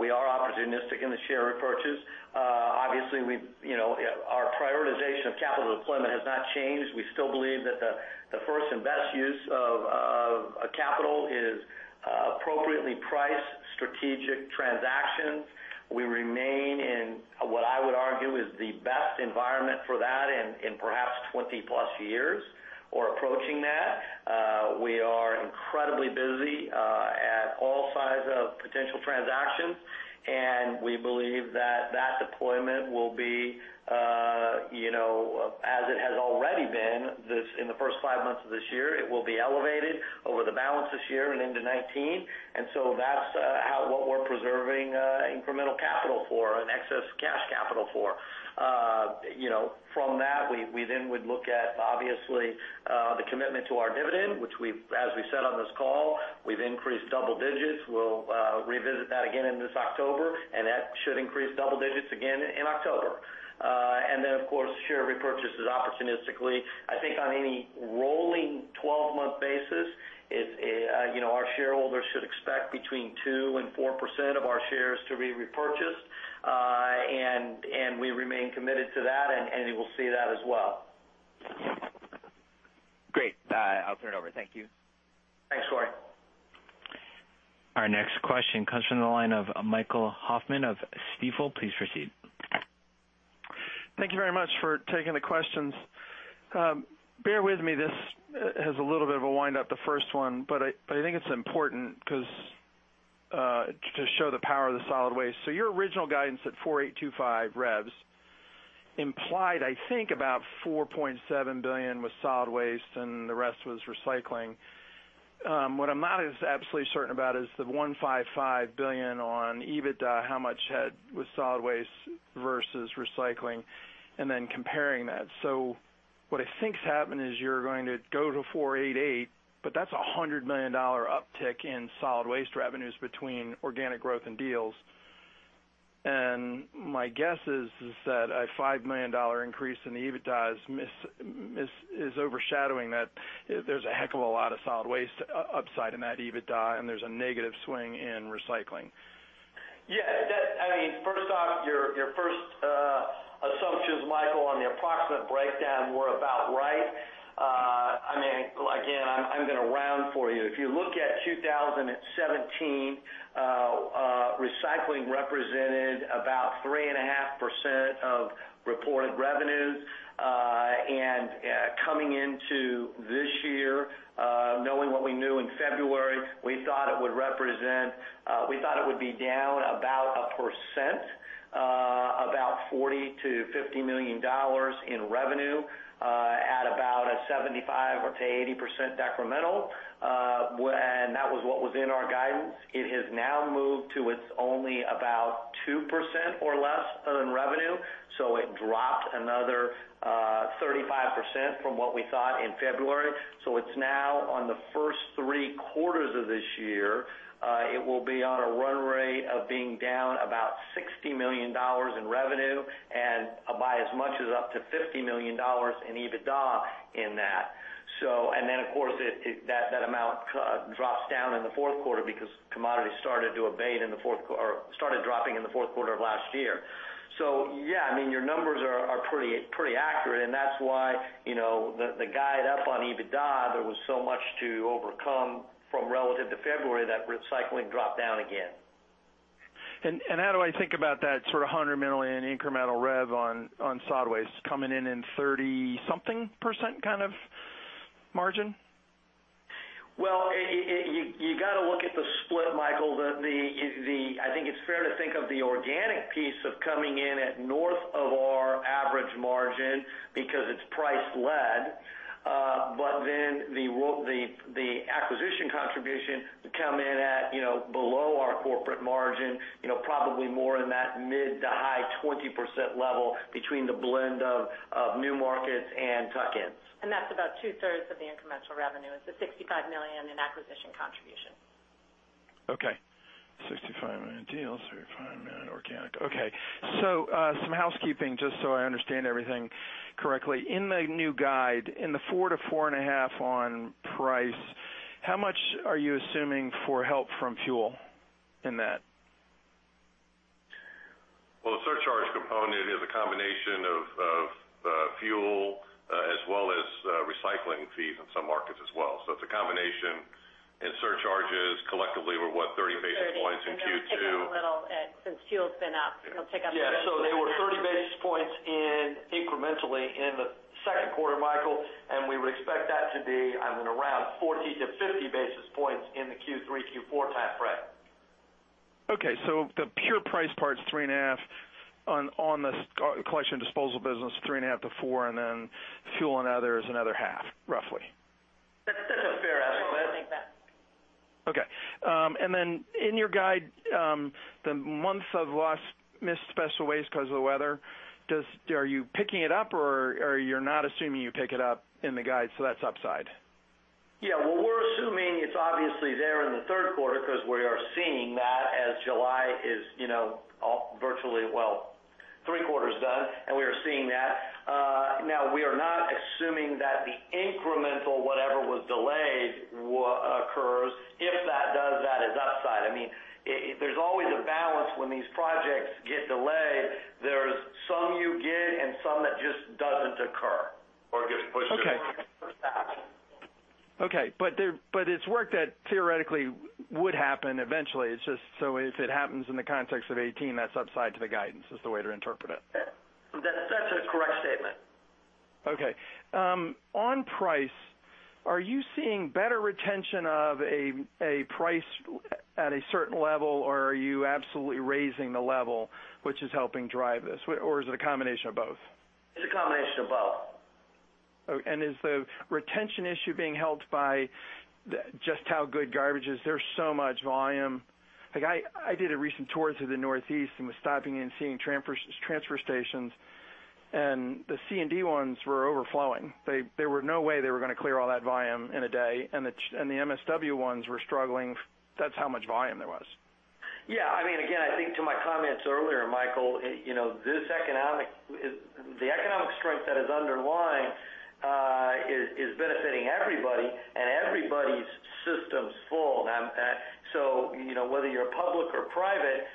We are opportunistic in the share repurchase. Obviously, our prioritization of capital deployment has not changed. We still believe that the first and best use of capital is appropriately priced strategic transactions. We remain in, what I would argue, is the best environment for that in perhaps 20+ years, or approaching that. We are incredibly busy at all sides of potential transactions, we believe that that deployment will be, as it has already been in the first five months of this year, it will be elevated over the balance of this year and into 2019. That's what we're preserving incremental capital for and excess cash capital for. From that, we would look at, obviously, the commitment to our dividend, which as we said on this call, we've increased double digits. We'll revisit that again in this October, that should increase double digits again in October. Then, of course, share repurchases opportunistically. I think on any rolling 12-month basis, our shareholders should expect between 2% and 4% of our shares to be repurchased. We remain committed to that, and you will see that as well. Great. I'll turn it over. Thank you. Thanks, Corey. Our next question comes from the line of Michael Hoffman of Stifel. Please proceed. Thank you very much for taking the questions. Bear with me, this has a little bit of a wind-up, the first one, but I think it's important to show the power of the solid waste. Your original guidance at 4,825 revs implied, I think, about $4.7 billion with solid waste and the rest was recycling. What I'm not as absolutely certain about is the $155 billion on EBITDA, how much was solid waste versus recycling, and then comparing that. What I think is happening is you're going to go to 488, but that's a $100 million uptick in solid waste revenues between organic growth and deals. My guess is that a $5 million increase in the EBITDA is overshadowing that there's a heck of a lot of solid waste upside in that EBITDA, and there's a negative swing in recycling. Yeah. First off, your first assumptions, Michael, on the approximate breakdown were about right. Again, I'm going to round for you. If you look at 2017, recycling represented about 3.5% of reported revenues. Coming into this year, knowing what we knew in February, we thought it would be down about a %, about $40 million-$50 million in revenue, at about a 75%-80% decremental. That was what was in our guidance. It has now moved to it's only about 2% or less than revenue, so it dropped another 35% from what we thought in February. It's now on the first three quarters of this year, it will be on a run rate of being down about $60 million in revenue and by as much as up to $50 million in EBITDA in that. Then, of course, that amount drops down in the fourth quarter because commodities started dropping in the fourth quarter of last year. Yeah, your numbers are pretty accurate, and that's why, the guide up on EBITDA, there was so much to overcome from relative to February, that recycling dropped down again. How do I think about that $100 million in incremental rev on solid waste coming in in 30 something % kind of margin? Well, you got to look at the split, Michael. I think it's fair to think of the organic piece of coming in at north of our average margin because it's price-led. The acquisition contribution will come in at below our corporate margin, probably more in that mid to high 20% level between the blend of new markets and tuck-ins. That's about two-thirds of the incremental revenue. It's the $65 million in acquisition contribution. Okay. $65 million deals, $35 million organic. Okay. Some housekeeping, just so I understand everything correctly. In the new guide, in the 4%-4.5% on price, how much are you assuming for help from fuel in that? Well, the surcharge component is a combination of fuel as well as recycling fees in some markets as well. It's a combination. In surcharges collectively, we're, what, 30 basis points in Q2? 30. That will tick up a little since fuel's been up. It'll tick up a bit. Yeah. They were 30 basis points incrementally in the second quarter, Michael, and we would expect that to be around 40 to 50 basis points in the Q3, Q4 time frame. Okay. The pure price part is three and a half on the collection disposal business, three and a half to four, and then fuel and others, another half, roughly. That's a fair estimate. I think that. Okay. In your guide, the months of lost missed special waste because of the weather, are you picking it up, or you're not assuming you pick it up in the guide, so that's upside? Yeah. Well, we're assuming it's obviously there in the third quarter because we are seeing that as July is virtually, well, three-quarters done, and we are seeing that. We are not assuming that the incremental whatever was delayed occurs. If that does, that is upside. There's always a balance when these projects get delayed. There's some you get and some that just doesn't occur. Gets pushed. Okay. It's work that theoretically would happen eventually. If it happens in the context of 2018, that's upside to the guidance, is the way to interpret it. That's a correct statement. Okay. On price, are you seeing better retention of a price at a certain level, or are you absolutely raising the level, which is helping drive this? Is it a combination of both? It's a combination of both. Is the retention issue being helped by just how good garbage is? There's so much volume. I did a recent tour to the Northeast and was stopping in, seeing transfer stations, and the C&D ones were overflowing. There were no way they were going to clear all that volume in a day, and the MSW ones were struggling. That's how much volume there was. Yeah. Again, I think to my comments earlier, Michael, the economic strength that is underlying is benefiting everybody, and everybody's system's full. Whether you're public or private,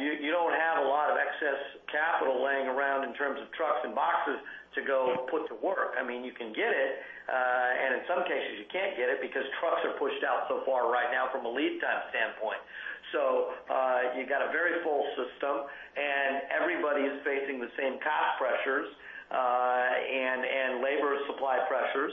you don't have a lot of excess capital laying around in terms of trucks and boxes to go put to work. You can get it, and in some cases, you can't get it because trucks are pushed out so far right now from a lead time standpoint. You got a very full system, and everybody is facing the same cost pressures and labor supply pressures.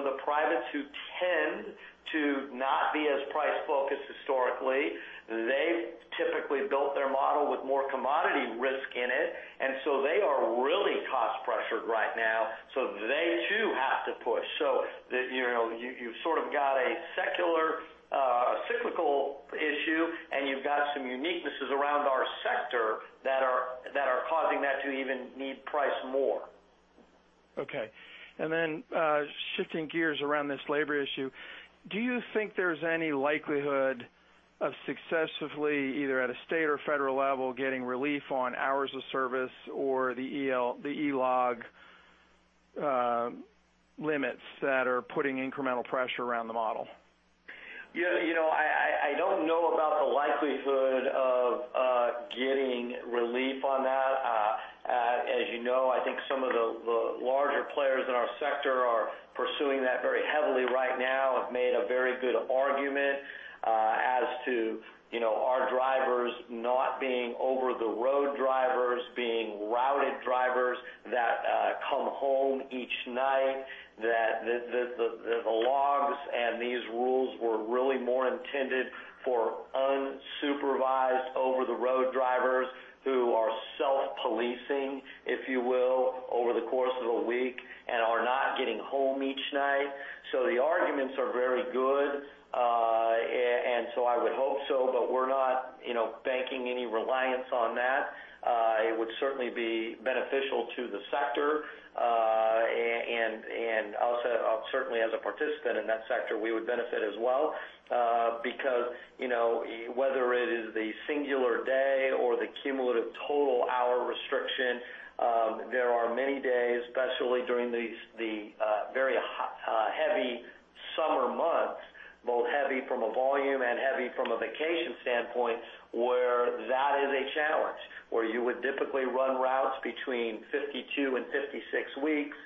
The privates who tend to not be as price-focused historically, they typically built their model with more commodity risk in it, they are really cost-pressured right now. They, too, have to push. You've sort of got a secular cyclical issue, and you've got some uniquenesses around our sector that are causing that to even need price more. Okay. Shifting gears around this labor issue, do you think there's any likelihood of successively, either at a state or federal level, getting relief on Hours of Service or the eLog limits that are putting incremental pressure around the model? I don't know about the likelihood of getting relief on that. As you know, I think some of the larger players in our sector are pursuing that very heavily right now, have made a very good argument as to our drivers not being over-the-road drivers, being routed drivers that come home each night, that the logs and these rules were really more intended for unsupervised over-the-road drivers who are self-policing, if you will, over the course of a week and are not getting home each night. The arguments are very good. I would hope so, but we're not banking any reliance on that. It would certainly be beneficial to the sector, and also certainly as a participant in that sector, we would benefit as well. Whether it is the singular day or the cumulative total hour restriction, there are many days, especially during the very heavy summer months, both heavy from a volume and heavy from a vacation standpoint, where that is a challenge, where you would typically run routes between 52 and 56 weeks.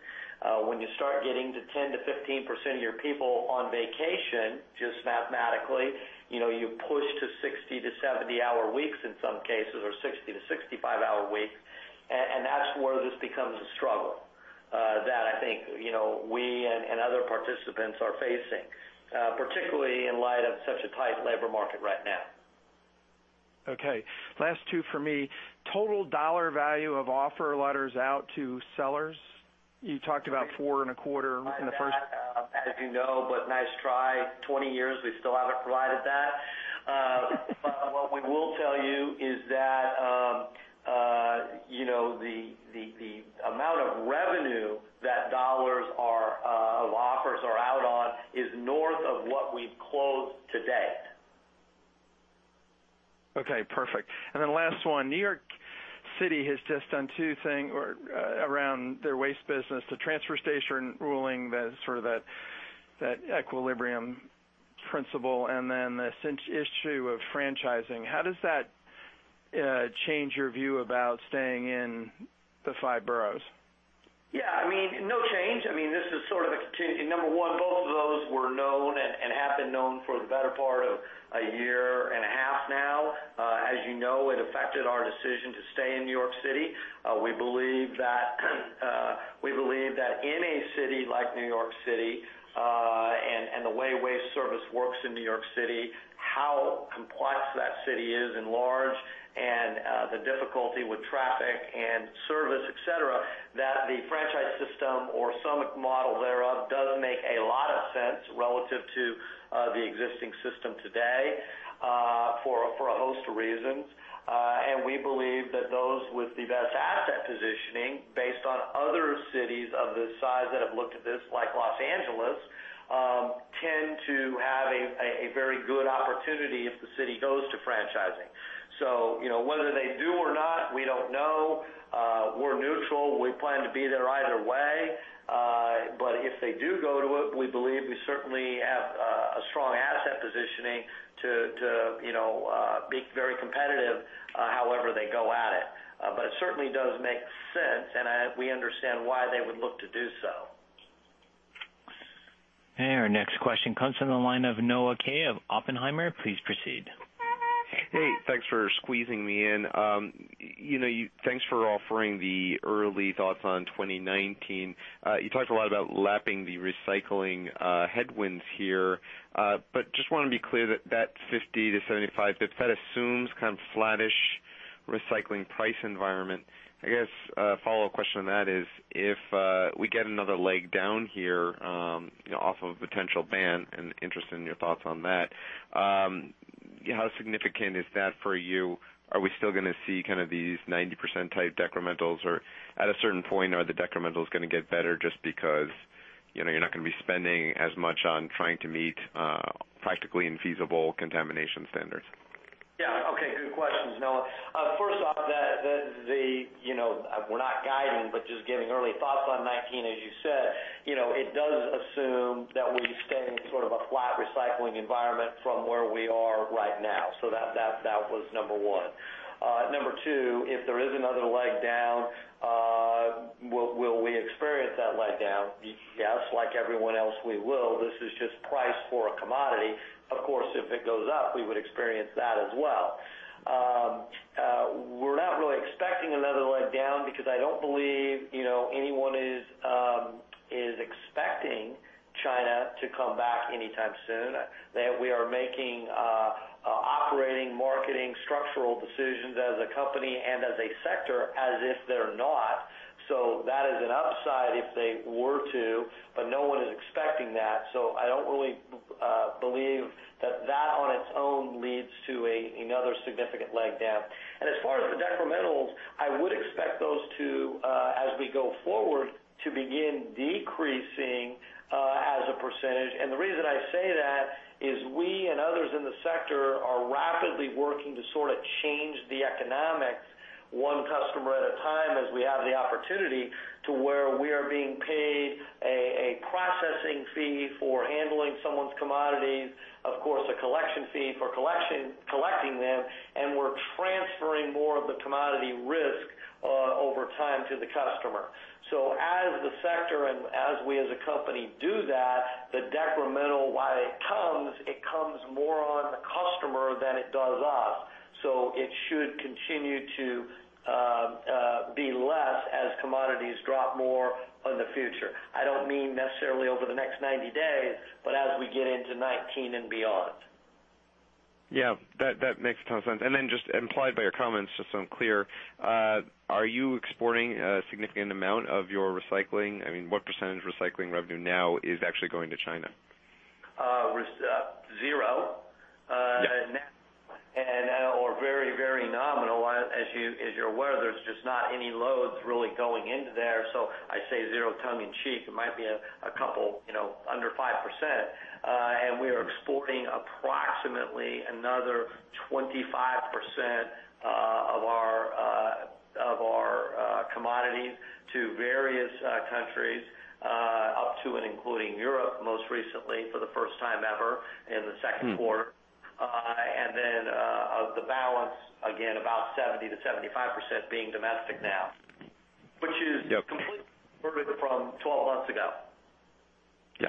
When you start getting to 10%-15% of your people on vacation, just mathematically, you push to 60-70-hour weeks in some cases, or 60-65-hour weeks, and that's where this becomes a struggle that I think we and other participants are facing, particularly in light of such a tight labor market right now. Okay. Last two for me. Total dollar value of offer letters out to sellers? You talked about four and a quarter in the first- We don't provide that, as you know. Nice try. 20 years, we still haven't provided that. What we will tell you is that the amount of revenue that dollars of offers are out on is north of what we've closed to date. Okay, perfect. Last one, New York City has just done 2 things around their waste business, the transfer station ruling, that sort of that equilibrium principle, this issue of franchising. How does that change your view about staying in the 5 boroughs? Yeah. No change. This is sort of a continuity. Number one, both of those were known and have been known for the better part of a year and a half now. As you know, it affected our decision to stay in New York City. We believe that in a city like New York City, and the way waste service works in New York City, how complex that city is and large, and the difficulty with traffic and service, et cetera, that the franchise system or some model thereof does make a lot of sense relative to the existing system today, for a host of reasons. We believe that those with the best asset positioning, based on other cities of this size that have looked at this, like Los Angeles, tend to have a very good opportunity if the city goes to franchising. Whether they do or not, we don't know. We're neutral. We plan to be there either way. If they do go to it, we believe we certainly have a strong asset positioning to be very competitive, however they go at it. It certainly does make sense, and we understand why they would look to do so. Our next question comes from the line of Noah Kaye of Oppenheimer. Please proceed. Hey, thanks for squeezing me in. Thanks for offering the early thoughts on 2019. You talked a lot about lapping the recycling headwinds here. Just want to be clear that that 50-75 basis points assumes kind of flattish recycling price environment. I guess a follow-up question on that is, if we get another leg down here off of a potential ban, and interested in your thoughts on that, how significant is that for you? Are we still going to see these 90% type decrementals, or at a certain point, are the decrementals going to get better just because you're not going to be spending as much on trying to meet practically infeasible contamination standards? Yeah. Okay. Good questions, Noah. First off, we're not guiding but just giving early thoughts on 2019, as you said. It does assume that we stay in sort of a flat recycling environment from where we are right now. That was number 1. Number 2, if there is another leg down, will we experience that leg down? Yes, like everyone else, we will. This is just price for a commodity. Of course, if it goes up, we would experience that as well. We're not really expecting another leg down because I don't believe anyone is expecting China to come back anytime soon, that we are making operating, marketing, structural decisions as a company and as a sector as if they're not. That is an upside if they were to, but no one is expecting that. I don't really believe that that on its own leads to another significant leg down. As far as the decrementals, I would expect those to, as we go forward, to begin decreasing as a percentage. The reason I say that is we and others in the sector are rapidly working to sort of change the economics one customer at a time as we have the opportunity to where we are being paid a processing fee for handling someone's commodities, of course, a collection fee for collecting them, and we're transferring more of the commodity risk over time to the customer. As the sector and as we as a company do that, the decremental, while it comes, it comes more on the customer than it does us. It should continue to be less as commodities drop more in the future. I don't mean necessarily over the next 90 days, but as we get into 2019 and beyond. Yeah, that makes a ton of sense. Just implied by your comments, just so I'm clear, are you exporting a significant amount of your recycling? What % of recycling revenue now is actually going to China? Zero. Yeah. Very nominal. As you're aware, there's just not any loads really going into there. I say zero tongue in cheek. It might be a couple under 5%. We are exporting approximately another 25% of our commodities to various countries, up to and including Europe, most recently for the first time ever in the second quarter. The balance, again, about 70%-75% being domestic now. Yep. Which is completely different from 12 months ago. Yeah.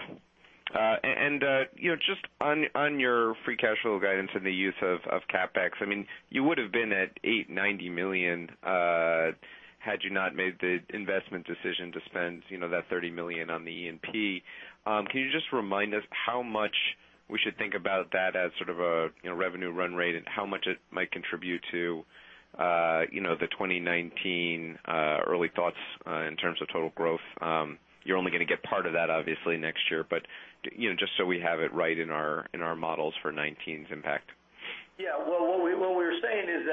Just on your free cash flow guidance and the use of CapEx, you would've been at $890 million had you not made the investment decision to spend that $30 million on the E&P. Can you just remind us how much we should think about that as sort of a revenue run rate, and how much it might contribute to the 2019 early thoughts, in terms of total growth? You're only going to get part of that obviously next year, but just so we have it right in our models for 2019's impact. Yeah. What we were saying is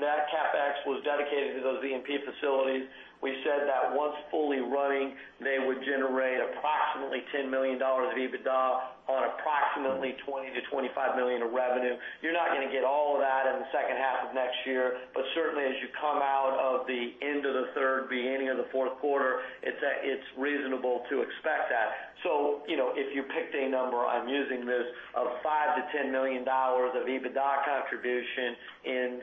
that CapEx was dedicated to those E&P facilities. We said that once fully running, they would generate approximately $10 million of EBITDA on approximately $20 million to $25 million of revenue. You're not going to get all of that in the second half of next year, but certainly as you come out of the end of the third, beginning of the fourth quarter, it's reasonable to expect that. If you picked a number, I'm using this, of $5 million to $10 million of EBITDA contribution in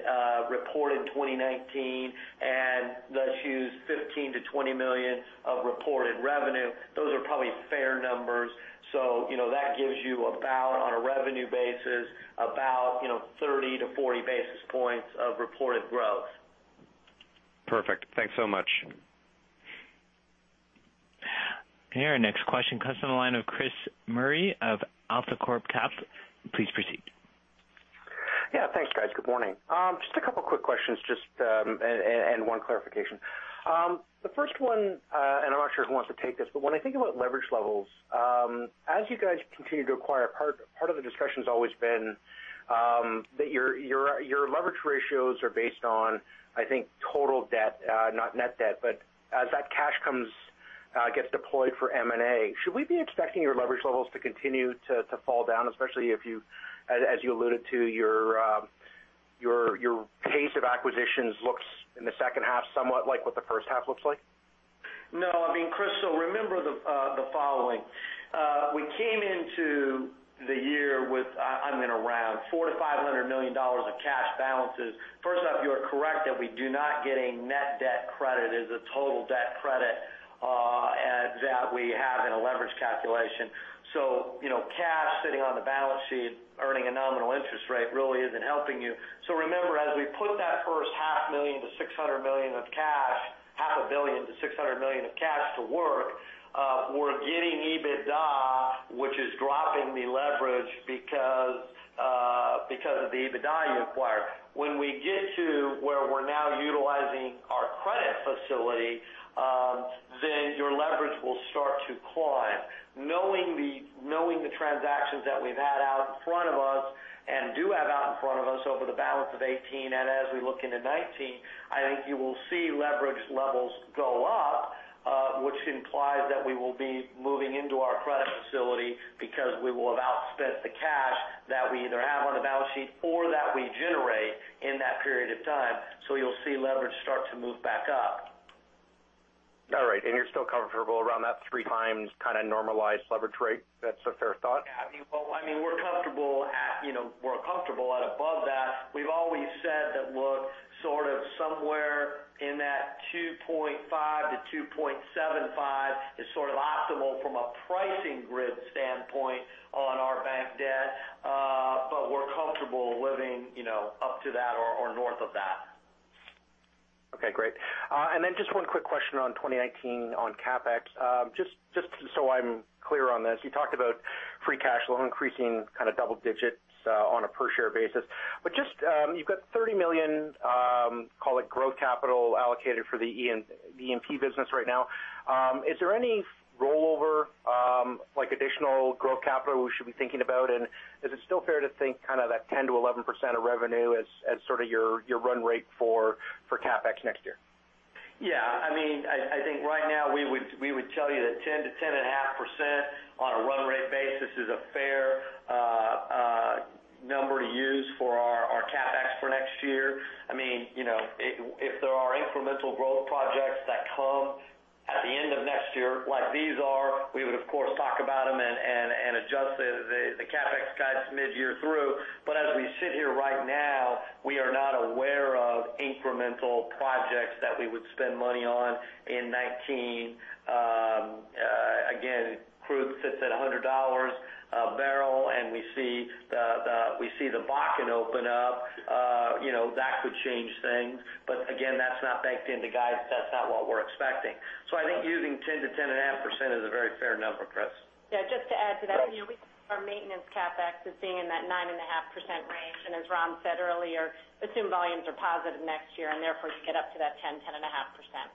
reported 2019, and let's use $15 million to $20 million of reported revenue. Those are probably fair numbers. That gives you about, on a revenue basis, about 30 to 40 basis points of reported growth. Perfect. Thanks so much. Our next question comes from the line of Chris Murray of AltaCorp Capital. Please proceed. Yeah, thanks guys. Good morning. Just a couple of quick questions and one clarification. The first one, and I'm not sure who wants to take this, but when I think about leverage levels, as you guys continue to acquire, part of the discussion's always been that your leverage ratios are based on, I think, total debt not net debt. As that cash gets deployed for M&A, should we be expecting your leverage levels to continue to fall down? Especially if, as you alluded to, your pace of acquisitions looks, in the second half, somewhat like what the first half looks like? No, Chris, remember the following. We came into the year with, I'm going to round, $400 to $500 million of cash balances. First off, you are correct that we do not get a net debt credit as a total debt credit that we have in a leverage calculation. Cash sitting on the balance sheet earning a nominal interest rate really isn't helping you. Remember, as we put that first half a billion to $600 million of cash to work, we're getting EBITDA, which is dropping the leverage because of the EBITDA you acquire. When we get to where we're now utilizing our credit facility, your leverage will start to climb. Knowing the transactions that we've had out in front of us and do have out in front of us over the balance of 2018 and as we look into 2019, I think you will see leverage levels go up, which implies that we will be moving into our credit facility because we will have outspent the cash that we either have on the balance sheet or that we generate in that period of time. You'll see leverage start to move back up. All right. You're still comfortable around that three times kind of normalized leverage rate? That's a fair thought? We're comfortable at above that. We've always said that we're sort of somewhere in that 2.5 to 2.75 is sort of optimal from a pricing grid standpoint on our bank debt. We're comfortable living up to that or north of that. Okay, great. Just one quick question on 2019 on CapEx. Just so I'm clear on this, you talked about free cash flow increasing kind of double digits on a per share basis. You've got $30 million, call it growth capital allocated for the E&P business right now. Is there any rollover, like additional growth capital we should be thinking about? Is it still fair to think kind of that 10%-11% of revenue as sort of your run rate for CapEx next year? Yeah. I think right now we would tell you that 10%-10.5% on a run rate basis is a fair number to use for our CapEx for next year. If there are incremental growth projects that come at the end of next year, like these are, we would of course talk about them and adjust the CapEx guides midyear through. As we sit here right now, we are not aware of incremental projects that we would spend money on in 2019. Again, crude sits at $100 a barrel, and we see the Bakken open up. That could change things. Again, that's not baked into guide. That's not what we're expecting. I think using 10%-10.5% is a very fair number, Chris. Yeah, just to add to that. Sure. Our maintenance CapEx is being in that 9.5% range. As Ron said earlier, assume volumes are positive next year, therefore you get up to that 10%, 10.5%.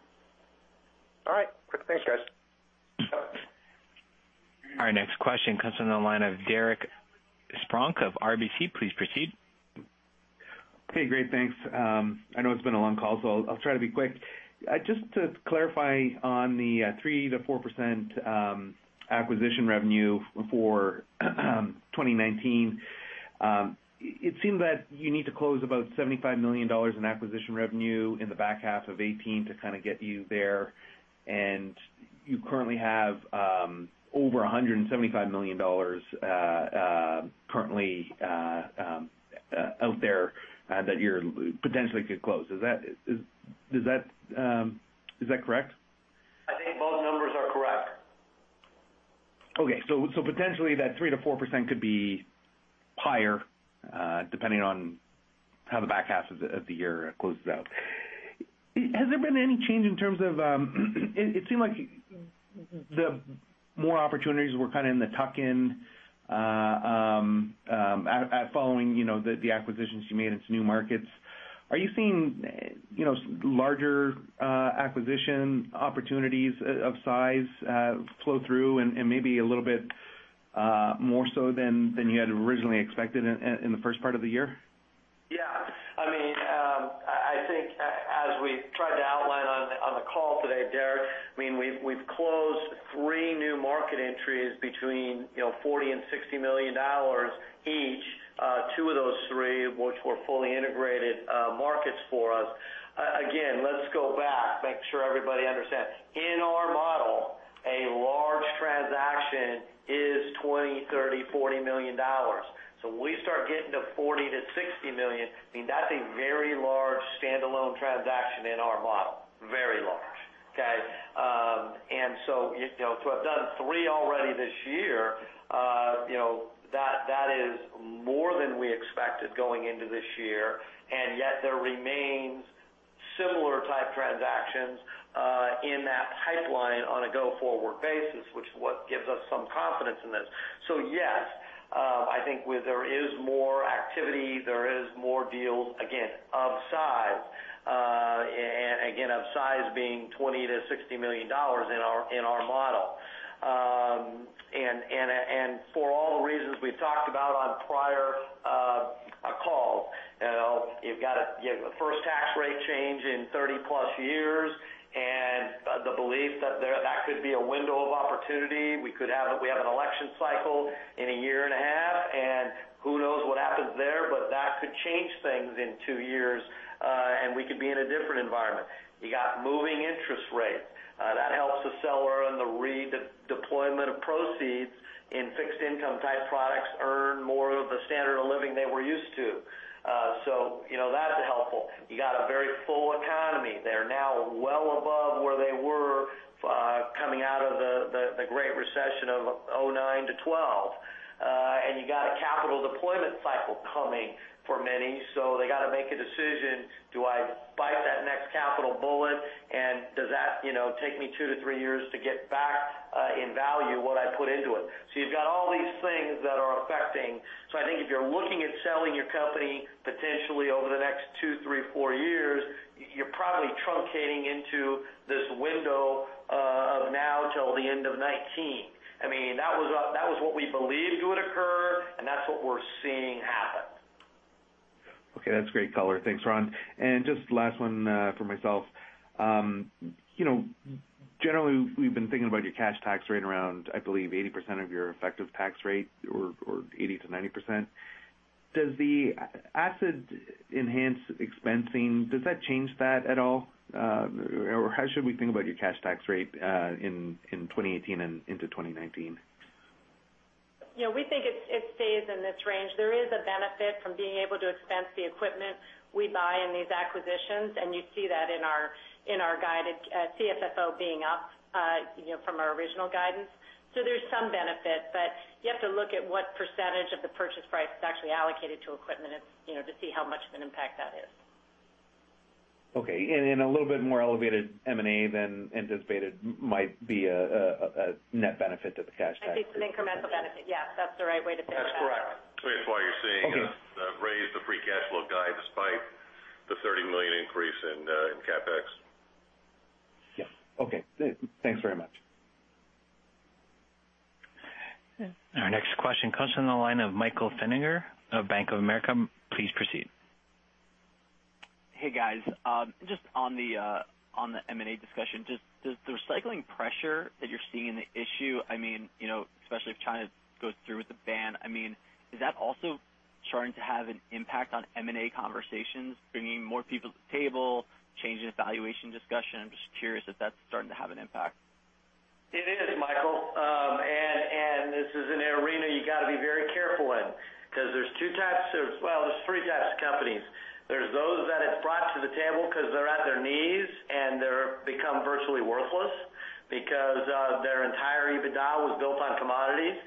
All right. Great. Thanks, guys. Our next question comes from the line of Derek Spronck of RBC. Please proceed. Okay, great. Thanks. I know it's been a long call, I'll try to be quick. Just to clarify on the 3%-4% acquisition revenue for 2019. It seems that you need to close about $75 million in acquisition revenue in the back half of 2018 to kind of get you there, you currently have over $175 million currently out there that you potentially could close. Is that correct? I think both numbers. Okay. Potentially that 3%-4% could be higher, depending on how the back half of the year closes out. Has there been any change in terms of it seemed like the more opportunities were kind of in the tuck-in following the acquisitions you made into new markets. Are you seeing larger acquisition opportunities of size flow through and maybe a little bit more so than you had originally expected in the first part of the year? Yeah. I think as we tried to outline on the call today, Derek, we've closed three new market entries between $40 million-$60 million each, two of those three, which were fully integrated markets for us. Again, let's go back, make sure everybody understands. In our model, a large transaction is $20 million, $30 million, $40 million. When we start getting to $40 million-$60 million, that's a very large standalone transaction in our model. Very large. Okay? To have done three already this year, that is more than we expected going into this year, and yet there remains similar type transactions in that pipeline on a go-forward basis, which is what gives us some confidence in this. Yes, I think there is more activity, there is more deals, again, of size. Again, of size being $20 million-$60 million in our model. For all the reasons we've talked about on prior calls. You've got first tax rate change in 30+ years, and the belief that that could be a window of opportunity. We have an election cycle in a year and a half, and who knows what happens there, but that could change things in two years, and we could be in a different environment. You got moving interest rate. That helps the seller on the redeployment of proceeds in fixed income type products earn more of the standard of living they were used to. That's helpful. You got a very full economy. They're now well above where they were coming out of the great recession of 2009-2012. You got a capital deployment cycle coming for many, they got to make a decision. Do I bite that next capital bullet, does that take me 2 to 3 years to get back in value what I put into it? You've got all these things that are affecting. I think if you're looking at selling your company potentially over the next 2, 3, 4 years, you're probably truncating into this window of now till the end of 2019. That was what we believed would occur, and that's what we're seeing happen. Okay. That's great color. Thanks, Ron. Just last one for myself. Generally, we've been thinking about your cash tax rate around, I believe, 80% of your effective tax rate or 80%-90%. Does the asset-enhanced expensing change that at all? How should we think about your cash tax rate in 2018 and into 2019? We think it stays in this range. There is a benefit from being able to expense the equipment we buy in these acquisitions, you see that in our guided CFFO being up from our original guidance. There's some benefit, but you have to look at what percentage of the purchase price is actually allocated to equipment, to see how much of an impact that is. Okay. A little bit more elevated M&A than anticipated might be a net benefit to the cash tax. I think it's an incremental benefit. Yes, that's the right way to think about it. That's correct. Okay. That's why you're seeing us raise the free cash flow guide despite the $30 million increase in CapEx. Yes. Okay. Thanks very much. Our next question comes from the line of Michael Feniger of Bank of America. Please proceed. Hey, guys. Just on the M&A discussion, does the recycling pressure that you're seeing an issue, especially if China goes through with the ban, is that also starting to have an impact on M&A conversations, bringing more people to the table, changing the valuation discussion? I'm just curious if that's starting to have an impact. It is, Michael. This is an arena you got to be very careful in because there's two types of Well, there's three types of companies. There's those that have brought to the table because they're at their knees and they've become virtually worthless because their entire EBITDA was built on commodities.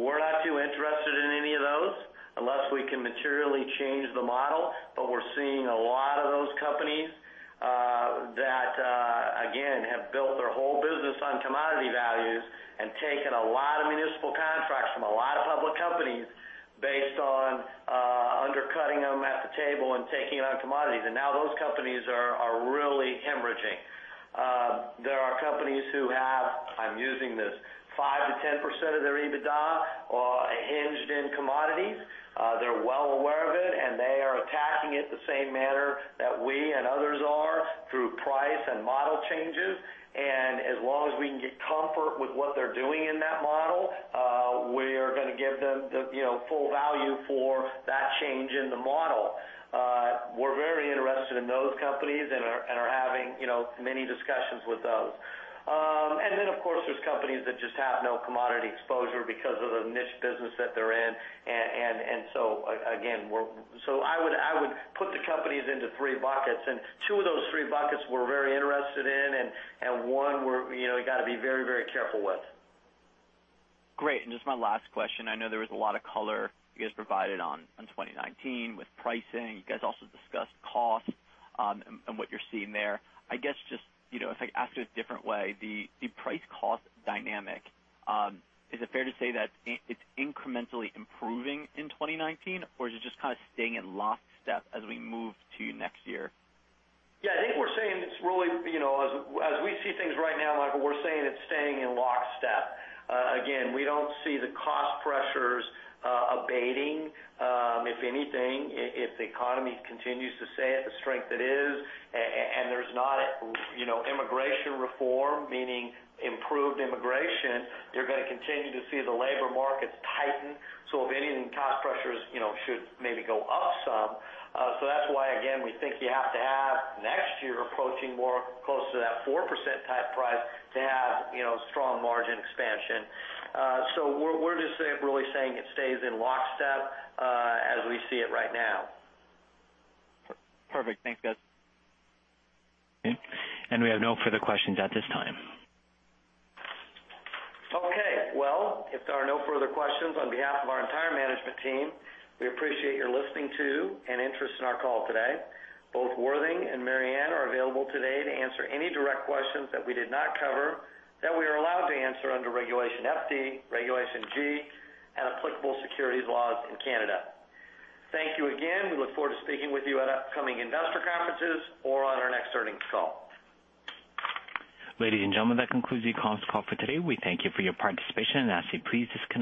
We're not too interested in any of those unless we can materially change the model. We're seeing a lot of those companies that, again, have built their whole business on commodity values and taken a lot of municipal contracts from a lot of public companies based on undercutting them at the table and taking it on commodities. Now those companies are really hemorrhaging. There are companies who have, I'm using this, 5%-10% of their EBITDA hinged in commodities. They're well aware of it, they are attacking it the same manner that we and others are through price and model changes. As long as we can get comfort with what they're doing in that model, we're going to give them the full value for that change in the model. We're very interested in those companies and are having many discussions with those. Of course, there's companies that just have no commodity exposure because of the niche business that they're in. Again, I would put the companies into three buckets, and two of those three buckets we're very interested in, and one we got to be very, very careful with. Great. Just my last question, I know there was a lot of color you guys provided on 2019 with pricing. You guys also discussed cost and what you're seeing there. I guess just, if I ask it a different way, the price cost dynamic, is it fair to say that it's incrementally improving in 2019, or is it just kind of staying in lockstep as we move to next year? I think we're saying it's really, as we see things right now, Michael, we're saying it's staying in lockstep. We don't see the cost pressures abating. If anything, if the economy continues to stay at the strength it is, and there's not immigration reform, meaning improved immigration, you're going to continue to see the labor markets tighten. If anything, cost pressures should maybe go up some. That's why, again, we think you have to have next year approaching more closer to that 4% type price to have strong margin expansion. We're just really saying it stays in lockstep as we see it right now. Perfect. Thanks, guys. We have no further questions at this time. Okay. Well, if there are no further questions, on behalf of our entire management team, we appreciate your listening to and interest in our call today. Both Worthing and Mary Anne are available today to answer any direct questions that we did not cover that we are allowed to answer under Regulation FD, Regulation G, and applicable securities laws in Canada. Thank you again. We look forward to speaking with you at upcoming investor conferences or on our next earnings call. Ladies and gentlemen, that concludes the conference call for today. We thank you for your participation and ask that you please disconnect.